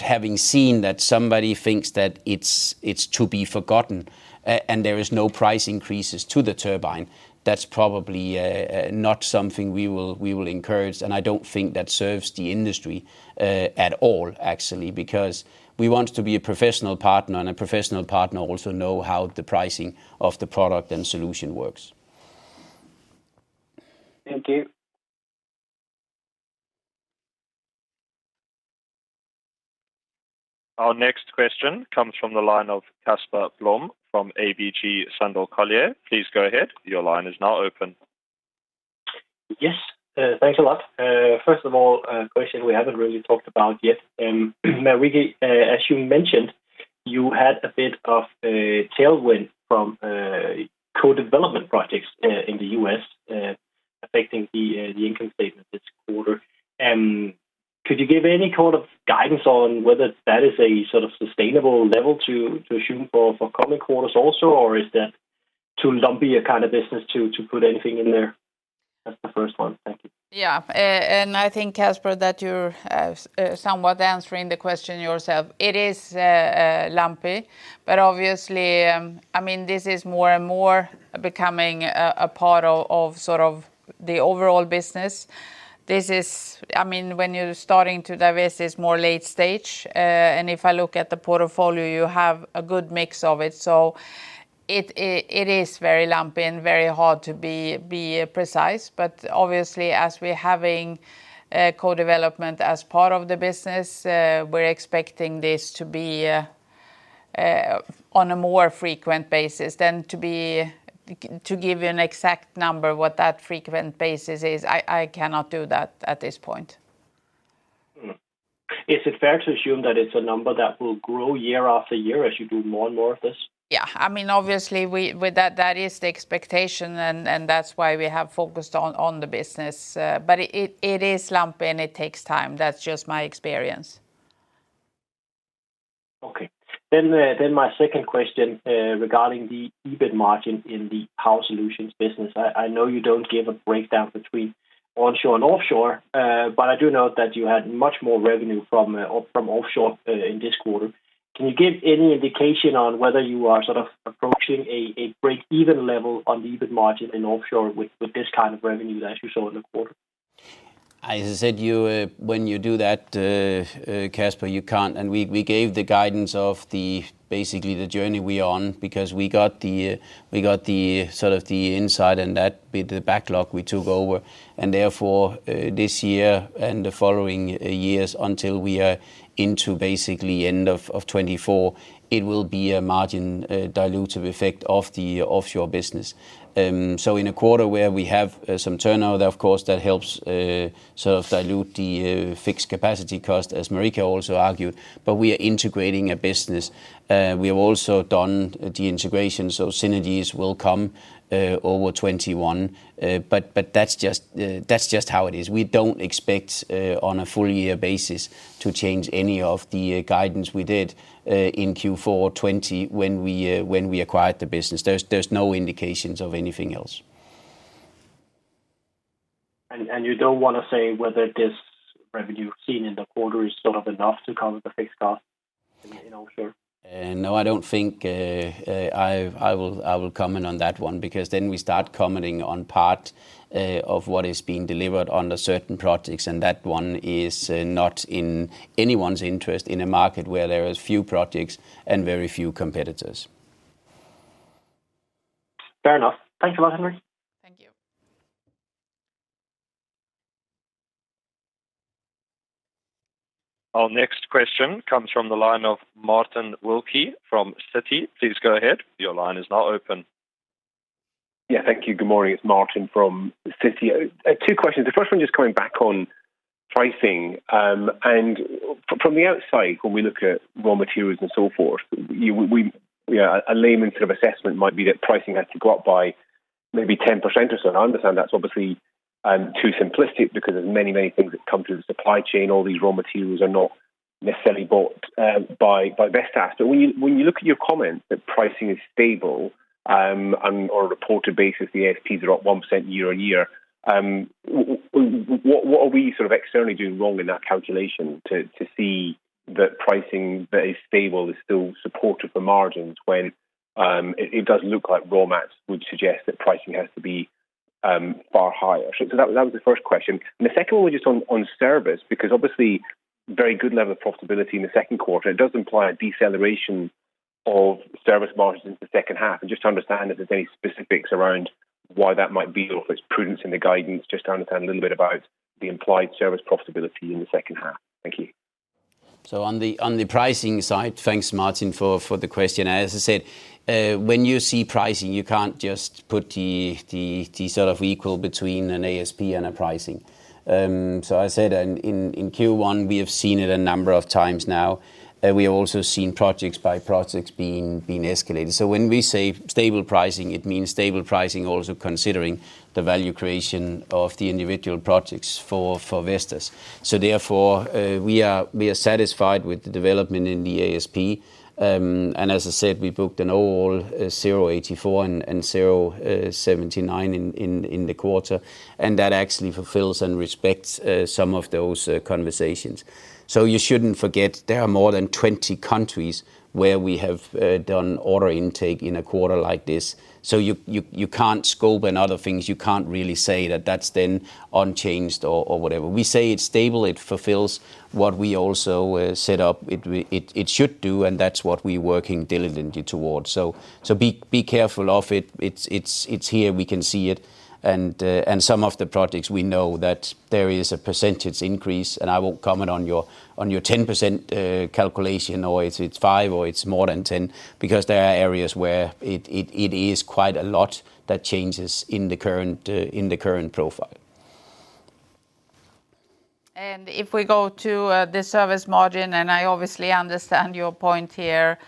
Having seen that somebody thinks that it's to be forgotten, and there is no price increases to the turbine, that's probably not something we will encourage, and I don't think that serves the industry at all, actually. We want to be a professional partner, and a professional partner also know how the pricing of the product and solution works. Thank you. Our next question comes from the line of Casper Blom from ABG Sundal Collier. Please go ahead. Your line is now open. Yes. Thanks a lot. First of all, a question we haven't really talked about yet. Marika, as you mentioned, you had a bit of a tailwind from co-development projects in the U.S. affecting the income statement this quarter. Could you give any kind of guidance on whether that is a sort of sustainable level to shoot for coming quarters also, or is that too lumpy a kind of business to put anything in there? That's the first one. Thank you. Yeah. I think, Casper, that you're somewhat answering the question yourself. It is lumpy, but obviously, this is more and more becoming a part of sort of the overall business. When you're starting to divest, it's more late stage. If I look at the portfolio, you have a good mix of it. It is very lumpy and very hard to be precise. Obviously, as we're having co-development as part of the business, we're expecting this to be on a more frequent basis than to give you an exact number what that frequent basis is. I cannot do that at this point. Is it fair to assume that it's a number that will grow year after year as you do more and more of this? Obviously, that is the expectation, and that's why we have focused on the business. It is lumpy, and it takes time. That's just my experience. Okay. My second question regarding the EBIT margin in the Power Solutions business. I know you don't give a breakdown between onshore and offshore. I do note that you had much more revenue from offshore in this quarter. Can you give any indication on whether you are sort of approaching a break-even level on the EBIT margin in offshore with this kind of revenue that you saw in the quarter? As I said, when you do that, Casper, you can't. We gave the guidance of basically the journey we are on, because we got the insight and that bit, the backlog we took over. Therefore, this year and the following years until we are into basically end of 2024, it will be a margin dilutive effect of the offshore business. In a quarter where we have some turnover, of course, that helps sort of dilute the fixed capacity cost, as Marika also argued, but we are integrating a business. We have also done the integration, so synergies will come over 2021. That's just how it is. We don't expect on a full-year basis to change any of the guidance we did in Q4 2020 when we acquired the business. There's no indications of anything else. You don't want to say whether this revenue seen in the quarter is sort of enough to cover the fixed cost in offshore? No, I don't think I will comment on that one, because then we start commenting on part of what is being delivered under certain projects, and that one is not in anyone's interest in a market where there is few projects and very few competitors. Fair enough. Thanks a lot, Henrik. Thank you. Our next question comes from the line of Martin Wilkie from Citi. Please go ahead. Your line is now open. Yeah, thank you. Good morning. It's Martin from Citi. Two questions. The first one, just coming back on pricing. From the outside, when we look at raw materials and so forth, a layman sort of assessment might be that pricing has to go up by maybe 10% or so. I understand that's obviously too simplistic because there's many, many things that come through the supply chain. All these raw materials are not necessarily bought by Vestas. When you look at your comment that pricing is stable, or on a reported basis, the ASPs are up 1% year-on-year, what are we sort of externally doing wrong in that calculation to see that pricing that is stable is still supportive for margins when it does look like raw mats would suggest that pricing has to be far higher? That was the first question. The second one was just on service, because obviously very good level of profitability in the second quarter, it does imply a deceleration of service margins in the second half. Just to understand if there's any specifics around why that might be, or if it's prudence in the guidance, just to understand a little bit about the implied service profitability in the second half? Thank you. On the pricing side, thanks, Martin, for the question. As I said, when you see pricing, you can't just put the sort of equal between an ASP and a pricing. I said in Q1, we have seen it a number of times now. We have also seen projects by projects being escalated. When we say stable pricing, it means stable pricing also considering the value creation of the individual projects for Vestas. Therefore, we are satisfied with the development in the ASP. As I said, we booked an overall 0.84 and 0.79 in the quarter, and that actually fulfills and respects some of those conversations. You shouldn't forget there are more than 20 countries where we have done order intake in a quarter like this. You can't scope and other things, you can't really say that that's then unchanged or whatever. We say it's stable, it fulfills what we also set up it should do, that's what we're working diligently towards. Be careful of it. It's here. We can see it. Some of the projects, we know that there is a percentage increase, and I won't comment on your 10% calculation, or it's five, or it's more than 10, because there are areas where it is quite a lot that changes in the current profile. If we go to the service margin, and I obviously understand your point here,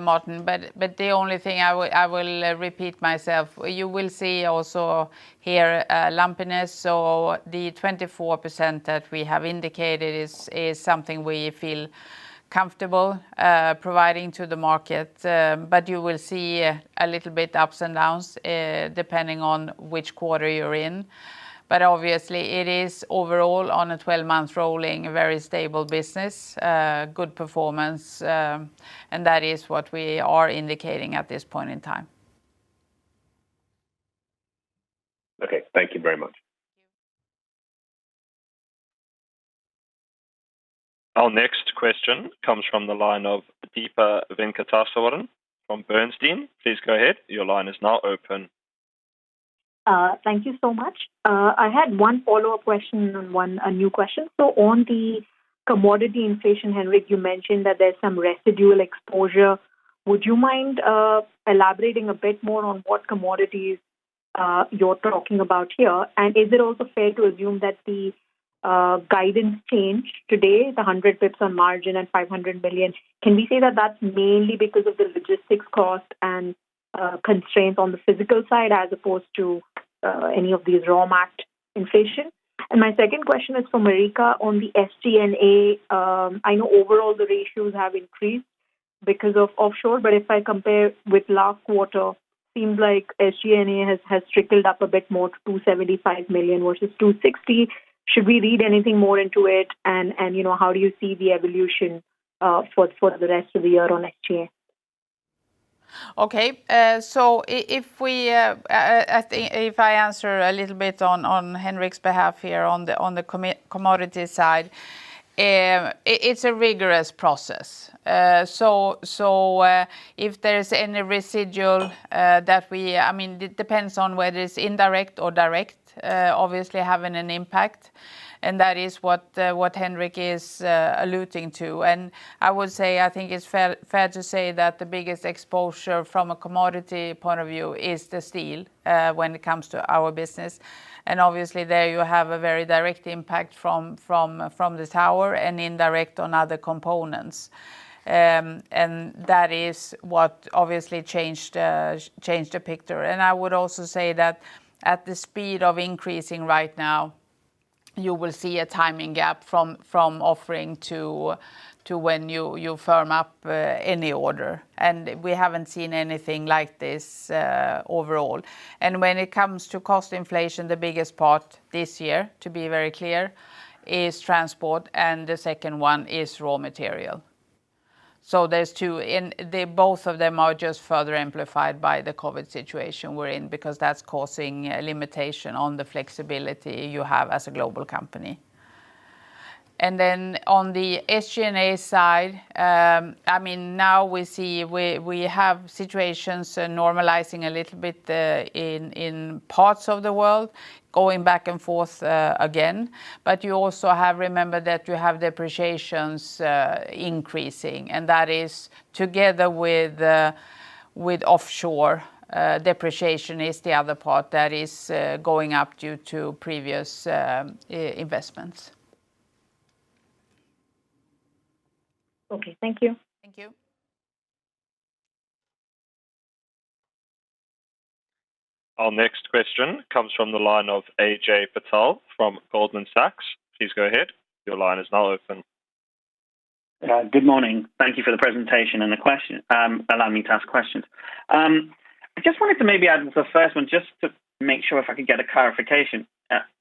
Martin, but the only thing I will repeat myself, you will see also here lumpiness. The 24% that we have indicated is something we feel comfortable providing to the market. You will see a little bit ups and downs, depending on which quarter you're in. Obviously, it is overall, on a 12-month rolling, a very stable business, good performance, and that is what we are indicating at this point in time. Okay. Thank you very much. Our next question comes from the line of Deepa Venkateswaran from Bernstein. Please go ahead. Your line is now open. Thank you so much. I had one follow-up question and a new question. On the commodity inflation, Henrik, you mentioned that there's some residual exposure. Would you mind elaborating a bit more on what commodities you're talking about here? Is it also fair to assume that the guidance changed today, the 100 basis point on margin and 500 million? Can we say that that's mainly because of the logistics cost and constraints on the physical side as opposed to any of these raw mat inflation? My second question is for Marika on the SG&A. I know overall the ratios have increased because of offshore, but if I compare with last quarter, seems like SG&A has trickled up a bit more to 275 million versus 260 million. Should we read anything more into it? How do you see the evolution for the rest of the year on SG&A? If I answer a little bit on Henrik's behalf here on the commodity side, it's a rigorous process. If there's any residual, it depends on whether it's indirect or direct, obviously having an impact, and that is what Henrik is alluding to. I would say, I think it's fair to say that the biggest exposure from a commodity point of view is the steel when it comes to our business. Obviously there you have a very direct impact from the tower and indirect on other components. That is what obviously changed the picture. I would also say that at the speed of increasing right now, you will see a timing gap from offering to when you firm up any order. We haven't seen anything like this overall. When it comes to cost inflation, the biggest part this year, to be very clear, is transport, and the second one is raw material. There's two, and both of them are just further amplified by the COVID situation we're in, because that's causing a limitation on the flexibility you have as a global company. Then on the SG&A side, now we see we have situations normalizing a little bit in parts of the world, going back and forth again. You also have, remember, that you have depreciations increasing, and that is together with offshore depreciation is the other part that is going up due to previous investments. Okay, thank you. Thank you. Our next question comes from the line of Ajay Patel from Goldman Sachs. Please go ahead. Your line is now open. Good morning. Thank you for the presentation and allowing me to ask questions. I just wanted to maybe add the first one just to make sure if I could get a clarification.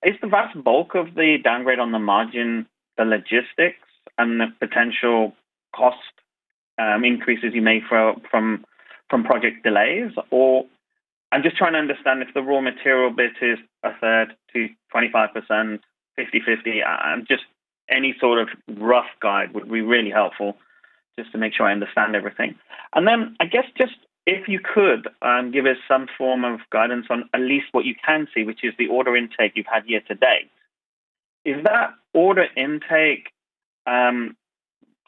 Is the vast bulk of the downgrade on the margin the logistics and the potential cost increases you may from project delays? I'm just trying to understand if the raw material bit is 1/3 to 25%, 50/50. Just any sort of rough guide would be really helpful just to make sure I understand everything. I guess just if you could, give us some form of guidance on at least what you can see, which is the order intake you've had year-to-date. Is that order intake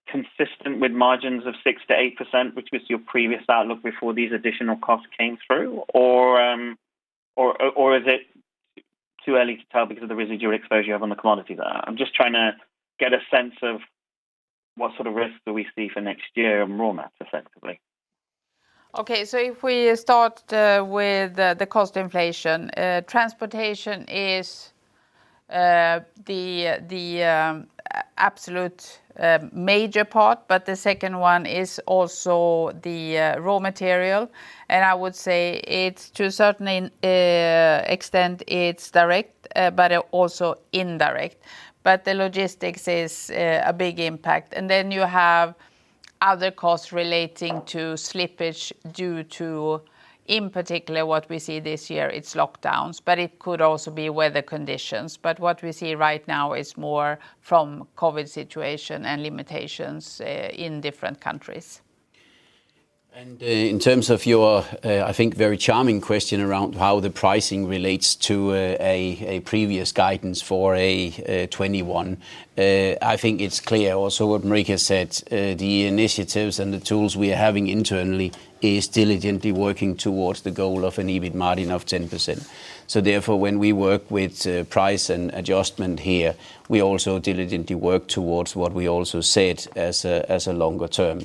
consistent with margins of 6%-8%, which was your previous outlook before these additional costs came through? Is it too early to tell because of the residual exposure you have on the commodity there? I'm just trying to get a sense of what sort of risk do we see for next year on raw mats, effectively. Okay, if we start with the cost inflation, transportation is the absolute major part, but the second one is also the raw material. I would say to a certain extent, it's direct, but also indirect. The logistics is a big impact. You have other costs relating to slippage due to, in particular, what we see this year, it's lockdowns, but it could also be weather conditions. What we see right now is more from COVID situation and limitations in different countries. In terms of your, I think very charming question around how the pricing relates to a previous guidance for 2021. I think it's clear also what Marika said, the initiatives and the tools we are having internally is diligently working towards the goal of an EBIT margin of 10%. Therefore, when we work with price and adjustment here, we also diligently work towards what we also said as a longer term.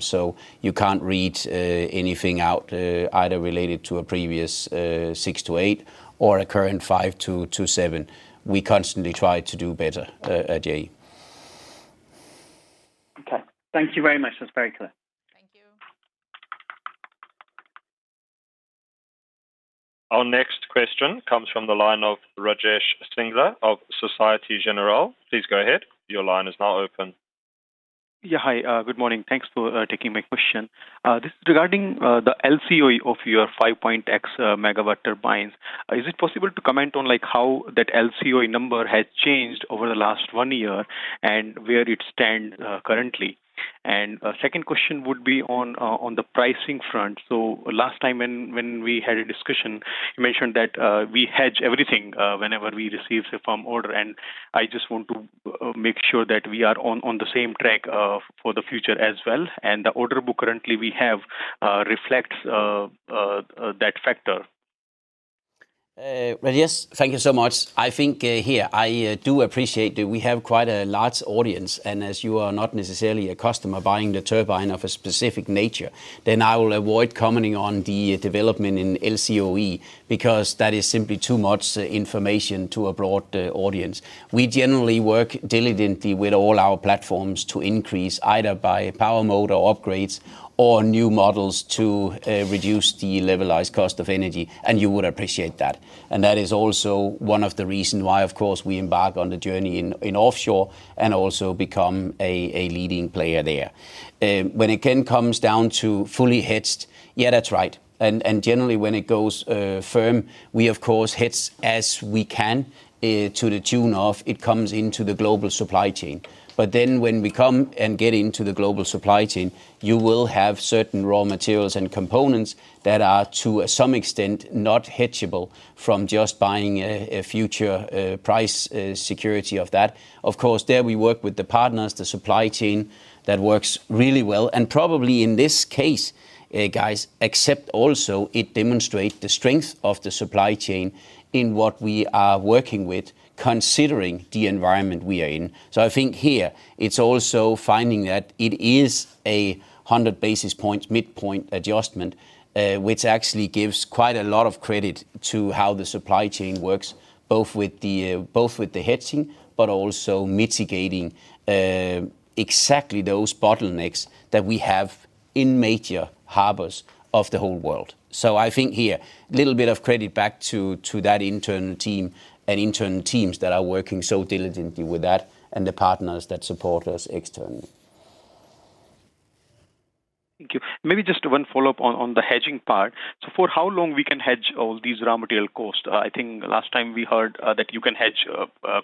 You can't read anything out, either related to a previous 6%-8% or a current 5%-7%. We constantly try to do better, Ajay. Okay. Thank you very much. That's very clear. Thank you. Our next question comes from the line of Rajesh Singla of Societe Generale. Please go ahead. Your line is now open. Yeah. Hi, good morning. Thanks for taking my question. This is regarding the LCOE of your 5.X MW turbines. Is it possible to comment on how that LCOE number has changed over the last one year and where it stands currently? Second question would be on the pricing front. Last time when we had a discussion, you mentioned that we hedge everything whenever we receive a firm order, and I just want to make sure that we are on the same track for the future as well. The order book currently we have reflects that factor? Well, yes. Thank you so much. I think here, I do appreciate that we have quite a large audience, and as you are not necessarily a customer buying the turbine of a specific nature, then I will avoid commenting on the development in LCOE, because that is simply too much information to a broad audience. We generally work diligently with all our platforms to increase, either by power mode or upgrades or new models to reduce the levelized cost of energy, and you would appreciate that. That is also one of the reason why, of course, we embark on the journey in offshore and also become a leading player there. When it again comes down to fully hedged, yeah, that's right. Generally, when it goes firm, we of course hedge as we can to the tune of it comes into the global supply chain. When we come and get into the global supply chain, you will have certain raw materials and components that are, to some extent, not hedgeable from just buying a future price security of that. Of course, there, we work with the partners, the supply chain. That works really well, and probably in this case, guys, except also it demonstrate the strength of the supply chain in what we are working with, considering the environment we are in. I think here, it's also finding that it is a 100 basis points midpoint adjustment, which actually gives quite a lot of credit to how the supply chain works, both with the hedging, but also mitigating exactly those bottlenecks that we have in major harbors of the whole world. I think here, little bit of credit back to that internal team and internal teams that are working so diligently with that and the partners that support us externally. Thank you. Maybe just one follow-up on the hedging part. For how long we can hedge all these raw material costs? I think last time we heard that you can hedge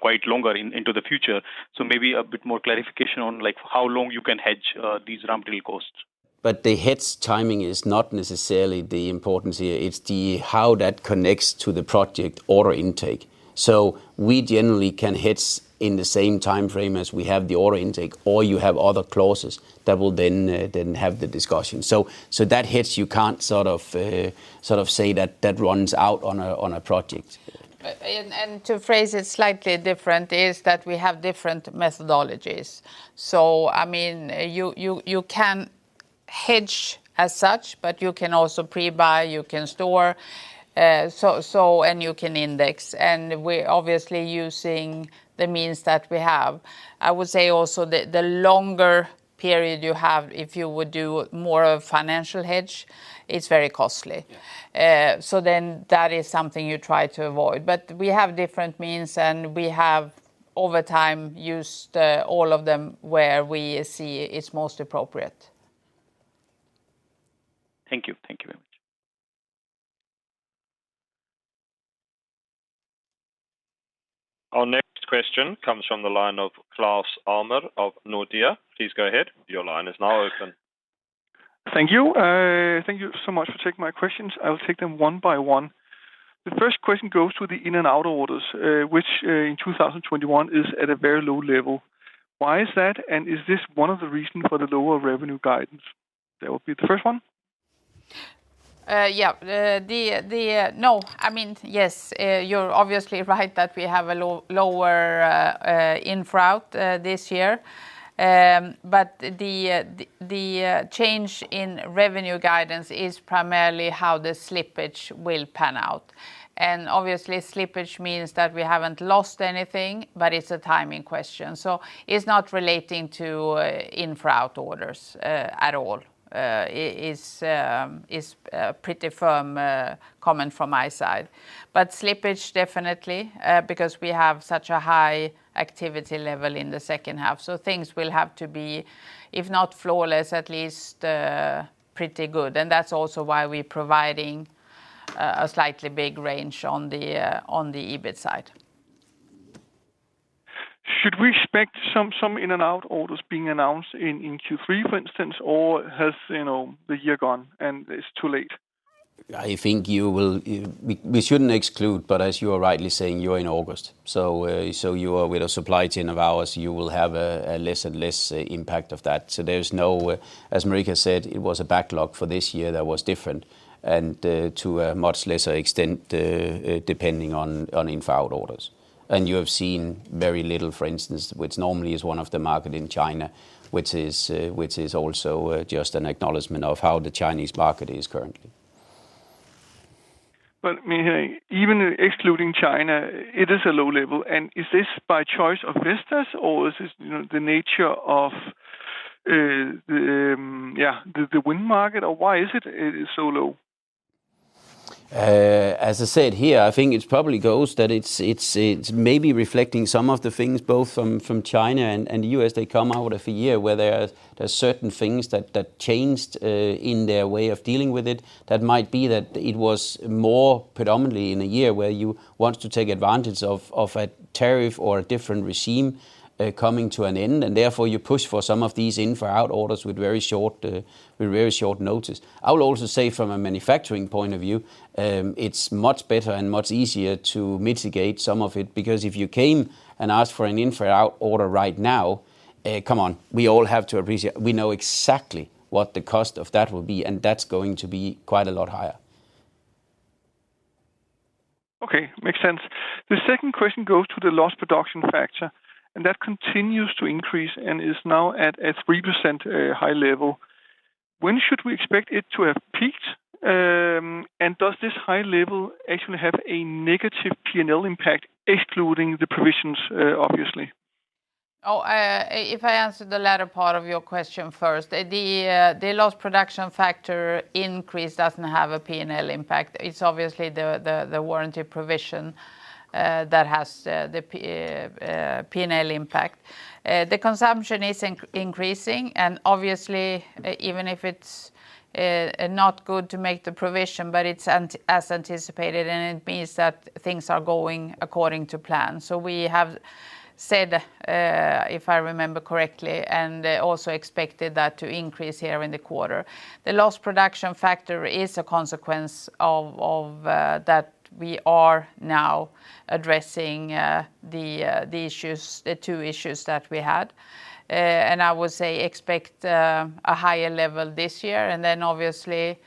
quite longer into the future. Maybe a bit more clarification on how long you can hedge these raw material costs. The hedge timing is not necessarily the importance here. It's the how that connects to the project order intake. We generally can hedge in the same timeframe as we have the order intake, or you have other clauses that will then have the discussion. That hedge, you can't say that runs out on a project. To phrase it slightly different is that we have different methodologies. You can hedge as such, but you can also pre-buy, you can store, and you can index. We're obviously using the means that we have. I would say also, the longer period you have, if you would do more of financial hedge, it's very costly. Yeah. That is something you try to avoid. We have different means, and we have, over time, used all of them where we see it's most appropriate. Thank you. Thank you very much. Our next question comes from the line of Claus Almer of Nordea. Please go ahead. Thank you. Thank you so much for taking my questions. I will take them one by one. The first question goes to the in-for-out orders, which in 2021 is at a very low level. Why is that? Is this one of the reasons for the lower revenue guidance? That would be the first one. Yeah. No. Yes, you're obviously right that we have a lower in-for-out this year. The change in revenue guidance is primarily how the slippage will pan out. Obviously, slippage means that we haven't lost anything, but it's a timing question, so it's not relating to in-for-out orders at all, is pretty firm comment from my side. Slippage definitely, because we have such a high activity level in the second half. Things will have to be, if not flawless, at least pretty good. That's also why we're providing a slightly big range on the EBIT side. Should we expect some in and out orders being announced in Q3, for instance? Has the year gone and it's too late? We shouldn't exclude, but as you are rightly saying, you're in August, so with a supply chain of ours, you will have a less and less impact of that. There's no, as Marika said, it was a backlog for this year that was different, and to a much lesser extent, depending on in-for-out orders. You have seen very little, for instance, which normally is one of the market in China, which is also just an acknowledgement of how the Chinese market is currently. Even excluding China, it is a low level. Is this by choice of Vestas, or is this the nature of the wind market, or why is it so low? As I said here, I think it probably goes that it's maybe reflecting some of the things both from China and the U.S. They come out of a year where there are certain things that changed in their way of dealing with it. That might be that it was more predominantly in a year where you want to take advantage of a tariff or a different regime coming to an end, and therefore you push for some of these in-for-out orders with very short notice. I would also say from a manufacturing point of view, it's much better and much easier to mitigate some of it, because if you came and asked for an in-for-out order right now, come on, we all have to appreciate. We know exactly what the cost of that will be, and that's going to be quite a lot higher. Okay. Makes sense. The second question goes to the Lost Production Factor. That continues to increase and is now at a 3% high level. When should we expect it to have peaked? Does this high level actually have a negative P&L impact, excluding the provisions, obviously? If I answer the latter part of your question first, the Lost Production Factor increase doesn't have a P&L impact. It's obviously the warranty provision that has the P&L impact. The consumption is increasing, and obviously, even if it's not good to make the provision, but it's as anticipated, and it means that things are going according to plan. We have said, if I remember correctly, and also expected that to increase here in the quarter. The Lost Production Factor is a consequence of that we are now addressing the two issues that we had. I would say, expect a higher level this year, and then obviously,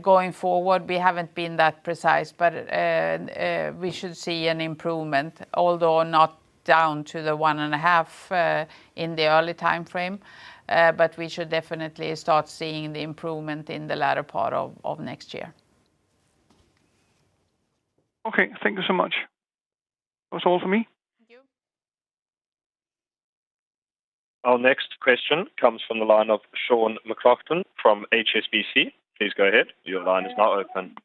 going forward, we haven't been that precise. We should see an improvement, although not down to the one and a half in the early timeframe. We should definitely start seeing the improvement in the latter part of next year. Okay. Thank you so much. That was all for me. Thank you. Our next question comes from the line of Sean McLoughlin from HSBC. Please go ahead. Your line is now open.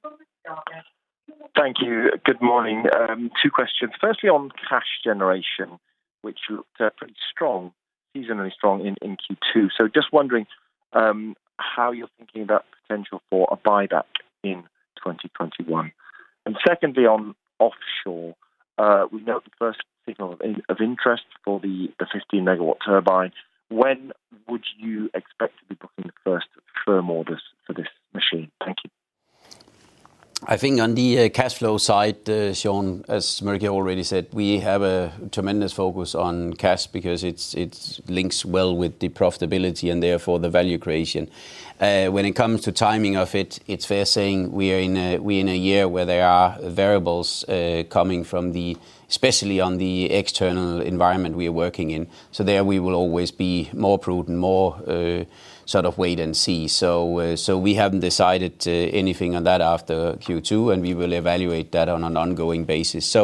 Thank you. Good morning. Two questions. Firstly, on cash generation, which looked pretty strong, seasonally strong in Q2. Just wondering how you're thinking about potential for a buyback in 2021. Secondly, on offshore, we note the first signal of interest for the 15 MW turbine. When would you expect to be booking the first firm orders for this machine? Thank you. I think on the cash flow side, Sean, as Marika already said, we have a tremendous focus on cash because it links well with the profitability and therefore the value creation. When it comes to timing of it's fair saying we are in a year where there are variables coming from the especially on the external environment we are working in. There we will always be more prudent, more sort of wait and see. We haven't decided anything on that after Q2, and we will evaluate that on an ongoing basis.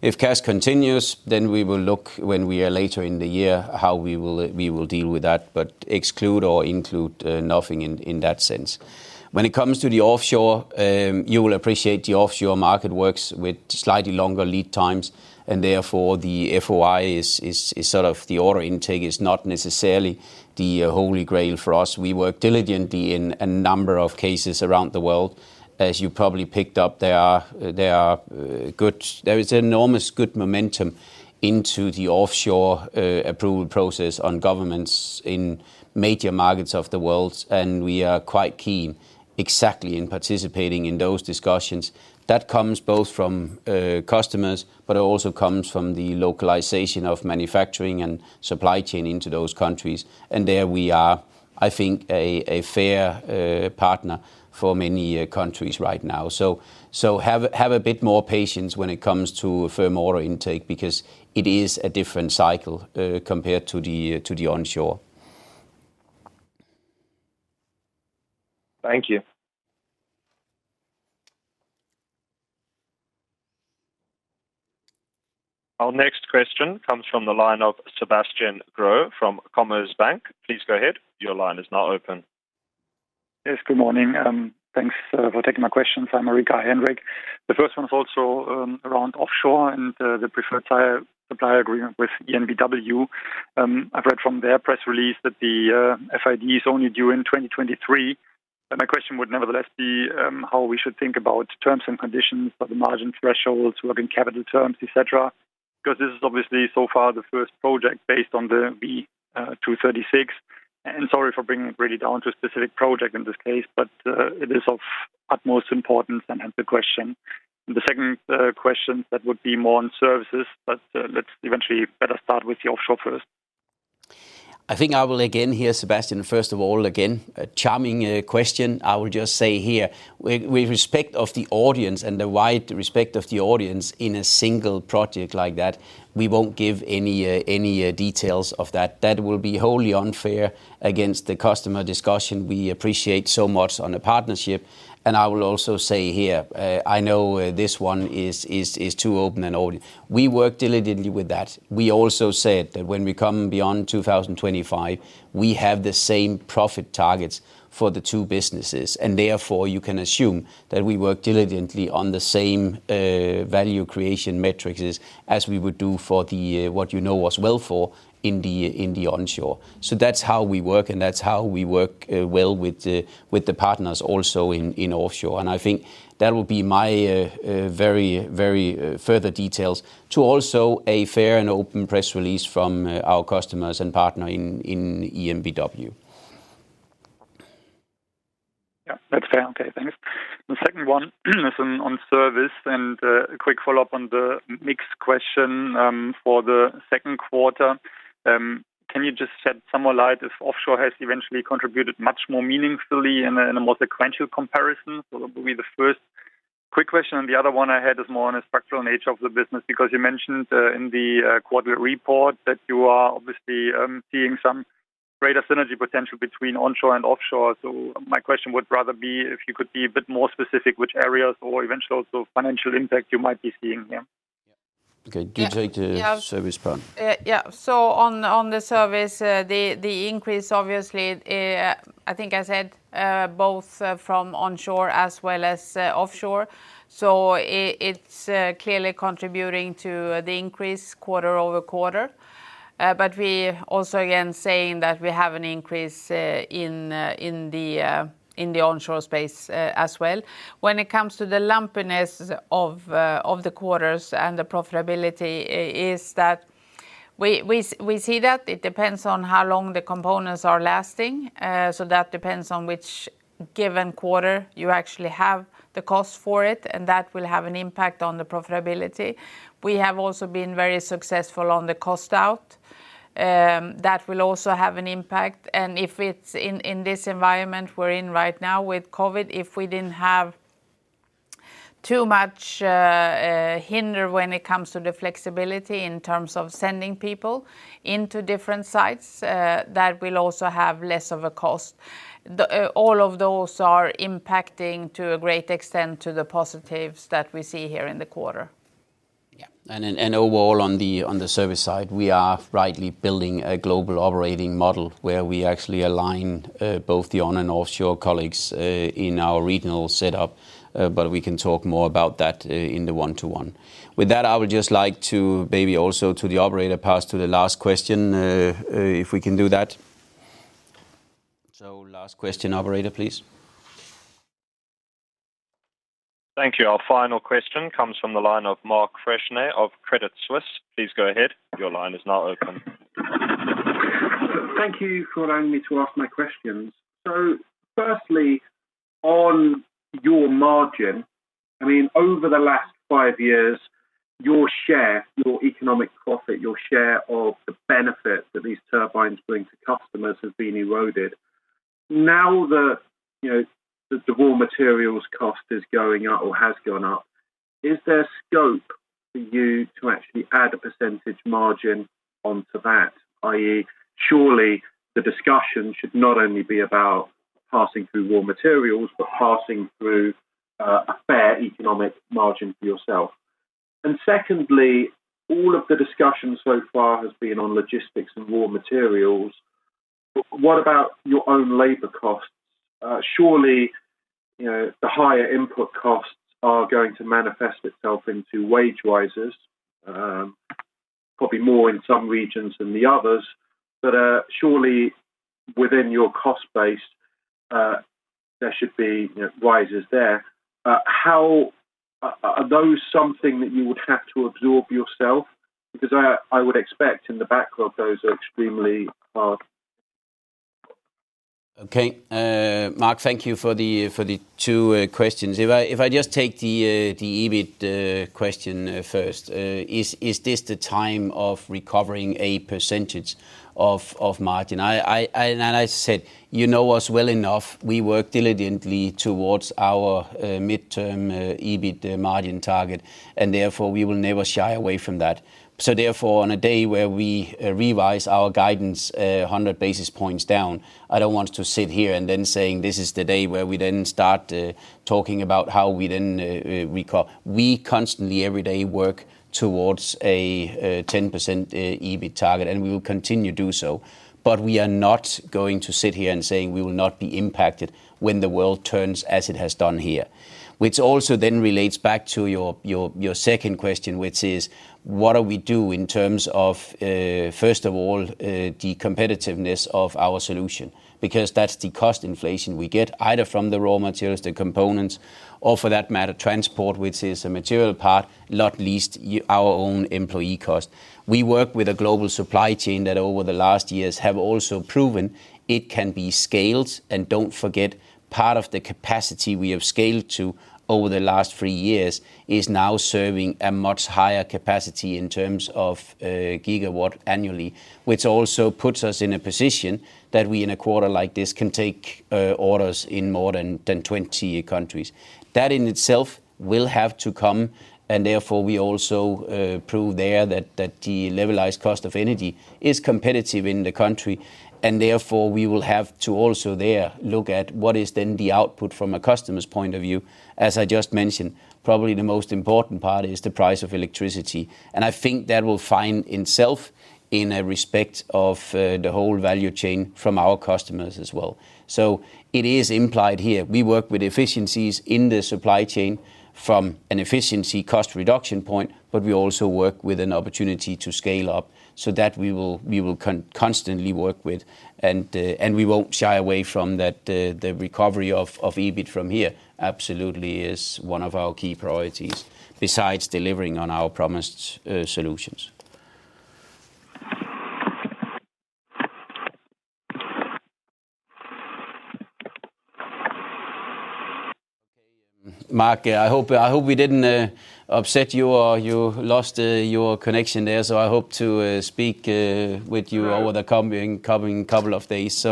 If cash continues, then we will look when we are later in the year, how we will deal with that, but exclude or include nothing in that sense. When it comes to the offshore, you will appreciate the offshore market works with slightly longer lead times, therefore the FOI is sort of the order intake is not necessarily the holy grail for us. We work diligently in a number of cases around the world. As you probably picked up, there is enormous good momentum into the offshore approval process on governments in major markets of the world, we are quite keen exactly in participating in those discussions. That comes both from customers, it also comes from the localization of manufacturing and supply chain into those countries. There we are, I think, a fair partner for many countries right now. Have a bit more patience when it comes to firm order intake because it is a different cycle compared to the onshore. Thank you. Our next question comes from the line of Sebastian Groh from Commerzbank. Please go ahead. Your line is now open. Yes, good morning. Thanks for taking my questions. Marika and Henrik. The first one is also around offshore and the preferred supplier agreement with EnBW. I have read from their press release that the FID is only due in 2023. My question would nevertheless be how we should think about terms and conditions for the margin thresholds, working capital terms, et cetera, because this is obviously so far the first project based on the V236. Sorry for bringing it really down to a specific project in this case, but it is of utmost importance and hence the question. The second question that would be more on services, but let's eventually better start with the offshore first. I think I will again hear Sebastian, first of all, again, a charming question. I will just say here, with respect of the audience and the wide respect of the audience in a single project like that, we won't give any details of that. That will be wholly unfair against the customer discussion we appreciate so much on the partnership. I will also say here, I know this one is too open an order. We work diligently with that. We also said that when we come beyond 2025, we have the same profit targets for the two businesses, and therefore you can assume that we work diligently on the same value creation metrics as we would do for what you know us well for in the onshore. That's how we work, and that's how we work well with the partners also in offshore. I think that will be my very further details to also a fair and open press release from our customers and partner in EnBW. Yeah. That's fair. Okay, thanks. The second one is on service, and a quick follow-up on the mixed question for the second quarter. Can you just shed some more light if offshore has eventually contributed much more meaningfully in a sequential comparison? That will be the first quick question. The other one I had is more on a structural nature of the business, because you mentioned in the quarterly report that you are obviously seeing some greater synergy potential between onshore and offshore. My question would rather be if you could be a bit more specific which areas or eventually also financial impact you might be seeing here. Yeah. Okay. [Marika] to service part. On the service, the increase obviously, I think I said, both from onshore as well as offshore. It's clearly contributing to the increase quarter-over-quarter. We also, again, saying that we have an increase in the onshore space as well. When it comes to the lumpiness of the quarters and the profitability is that we see that it depends on how long the components are lasting. That depends on which given quarter you actually have the cost for it, and that will have an impact on the profitability. We have also been very successful on the cost out. That will also have an impact. If it's in this environment we're in right now with COVID, if we didn't have too much hinder when it comes to the flexibility in terms of sending people into different sites, that will also have less of a cost. All of those are impacting to a great extent to the positives that we see here in the quarter. Yeah. Overall on the service side, we are rightly building a global operating model where we actually align both the on and offshore colleagues in our regional setup. We can talk more about that in the one-to-one. With that, I would just like to maybe also to the operator pass to the last question, if we can do that. Last question, operator, please. Thank you. Our final question comes from the line of Mark Freshney of Credit Suisse. Please go ahead. Your line is now open. Thank you for allowing me to ask my questions. Firstly, on your margin, over the last five years, your share, your economic profit, your share of the benefit that these turbines bring to customers has been eroded. Now that the raw materials cost is going up or has gone up, is there scope for you to actually add a percentage margin onto that? I.e., surely the discussion should not only be about passing through raw materials but passing through a fair economic margin for yourself. Secondly, all of the discussion so far has been on logistics and raw materials. What about your own labor costs? Surely, the higher input costs are going to manifest itself into wage rises, probably more in some regions than the others. Surely within your cost base, there should be rises there. Are those something that you would have to absorb yourself? I would expect in the backlog, those are extremely hard. Okay. Mark, thank you for the two questions. If I just take the EBIT question first, is this the time of recovering a percentage of margin? I said, you know us well enough. We work diligently towards our midterm EBIT margin target, and therefore we will never shy away from that. Therefore, on a day where we revise our guidance 100 basis points down, I don't want to sit here and then saying this is the day where we then start talking about how we then recover. We constantly every day work towards a 10% EBIT target, and we will continue to do so. We are not going to sit here and say we will not be impacted when the world turns as it has done here. Which also then relates back to your second question, which is, what do we do in terms of, first of all, the competitiveness of our solution? Because that's the cost inflation we get, either from the raw materials, the components, or for that matter, transport, which is a material part, not least our own employee cost. We work with a global supply chain that over the last years have also proven it can be scaled, and don't forget, part of the capacity we have scaled to over the last three years is now serving a much higher capacity in terms of gigawatt annually. Which also puts us in a position that we, in a quarter like this, can take orders in more than 20 countries. That in itself will have to come, and therefore we also prove there that the levelized cost of energy is competitive in the country, and therefore we will have to also there look at what is then the output from a customer's point of view. As I just mentioned, probably the most important part is the price of electricity. I think that will find itself in a respect of the whole value chain from our customers as well. It is implied here. We work with efficiencies in the supply chain from an efficiency cost reduction point, we also work with an opportunity to scale up so that we will constantly work with, and we won't shy away from that. The recovery of EBIT from here absolutely is one of our key priorities besides delivering on our promised solutions. Mark, I hope we didn't upset you or you lost your connection there. I hope to speak with you over the coming couple of days.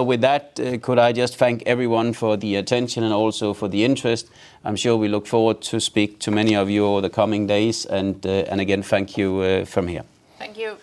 With that, could I just thank everyone for the attention and also for the interest. I'm sure we look forward to speak to many of you over the coming days. Again, thank you from here. Thank you.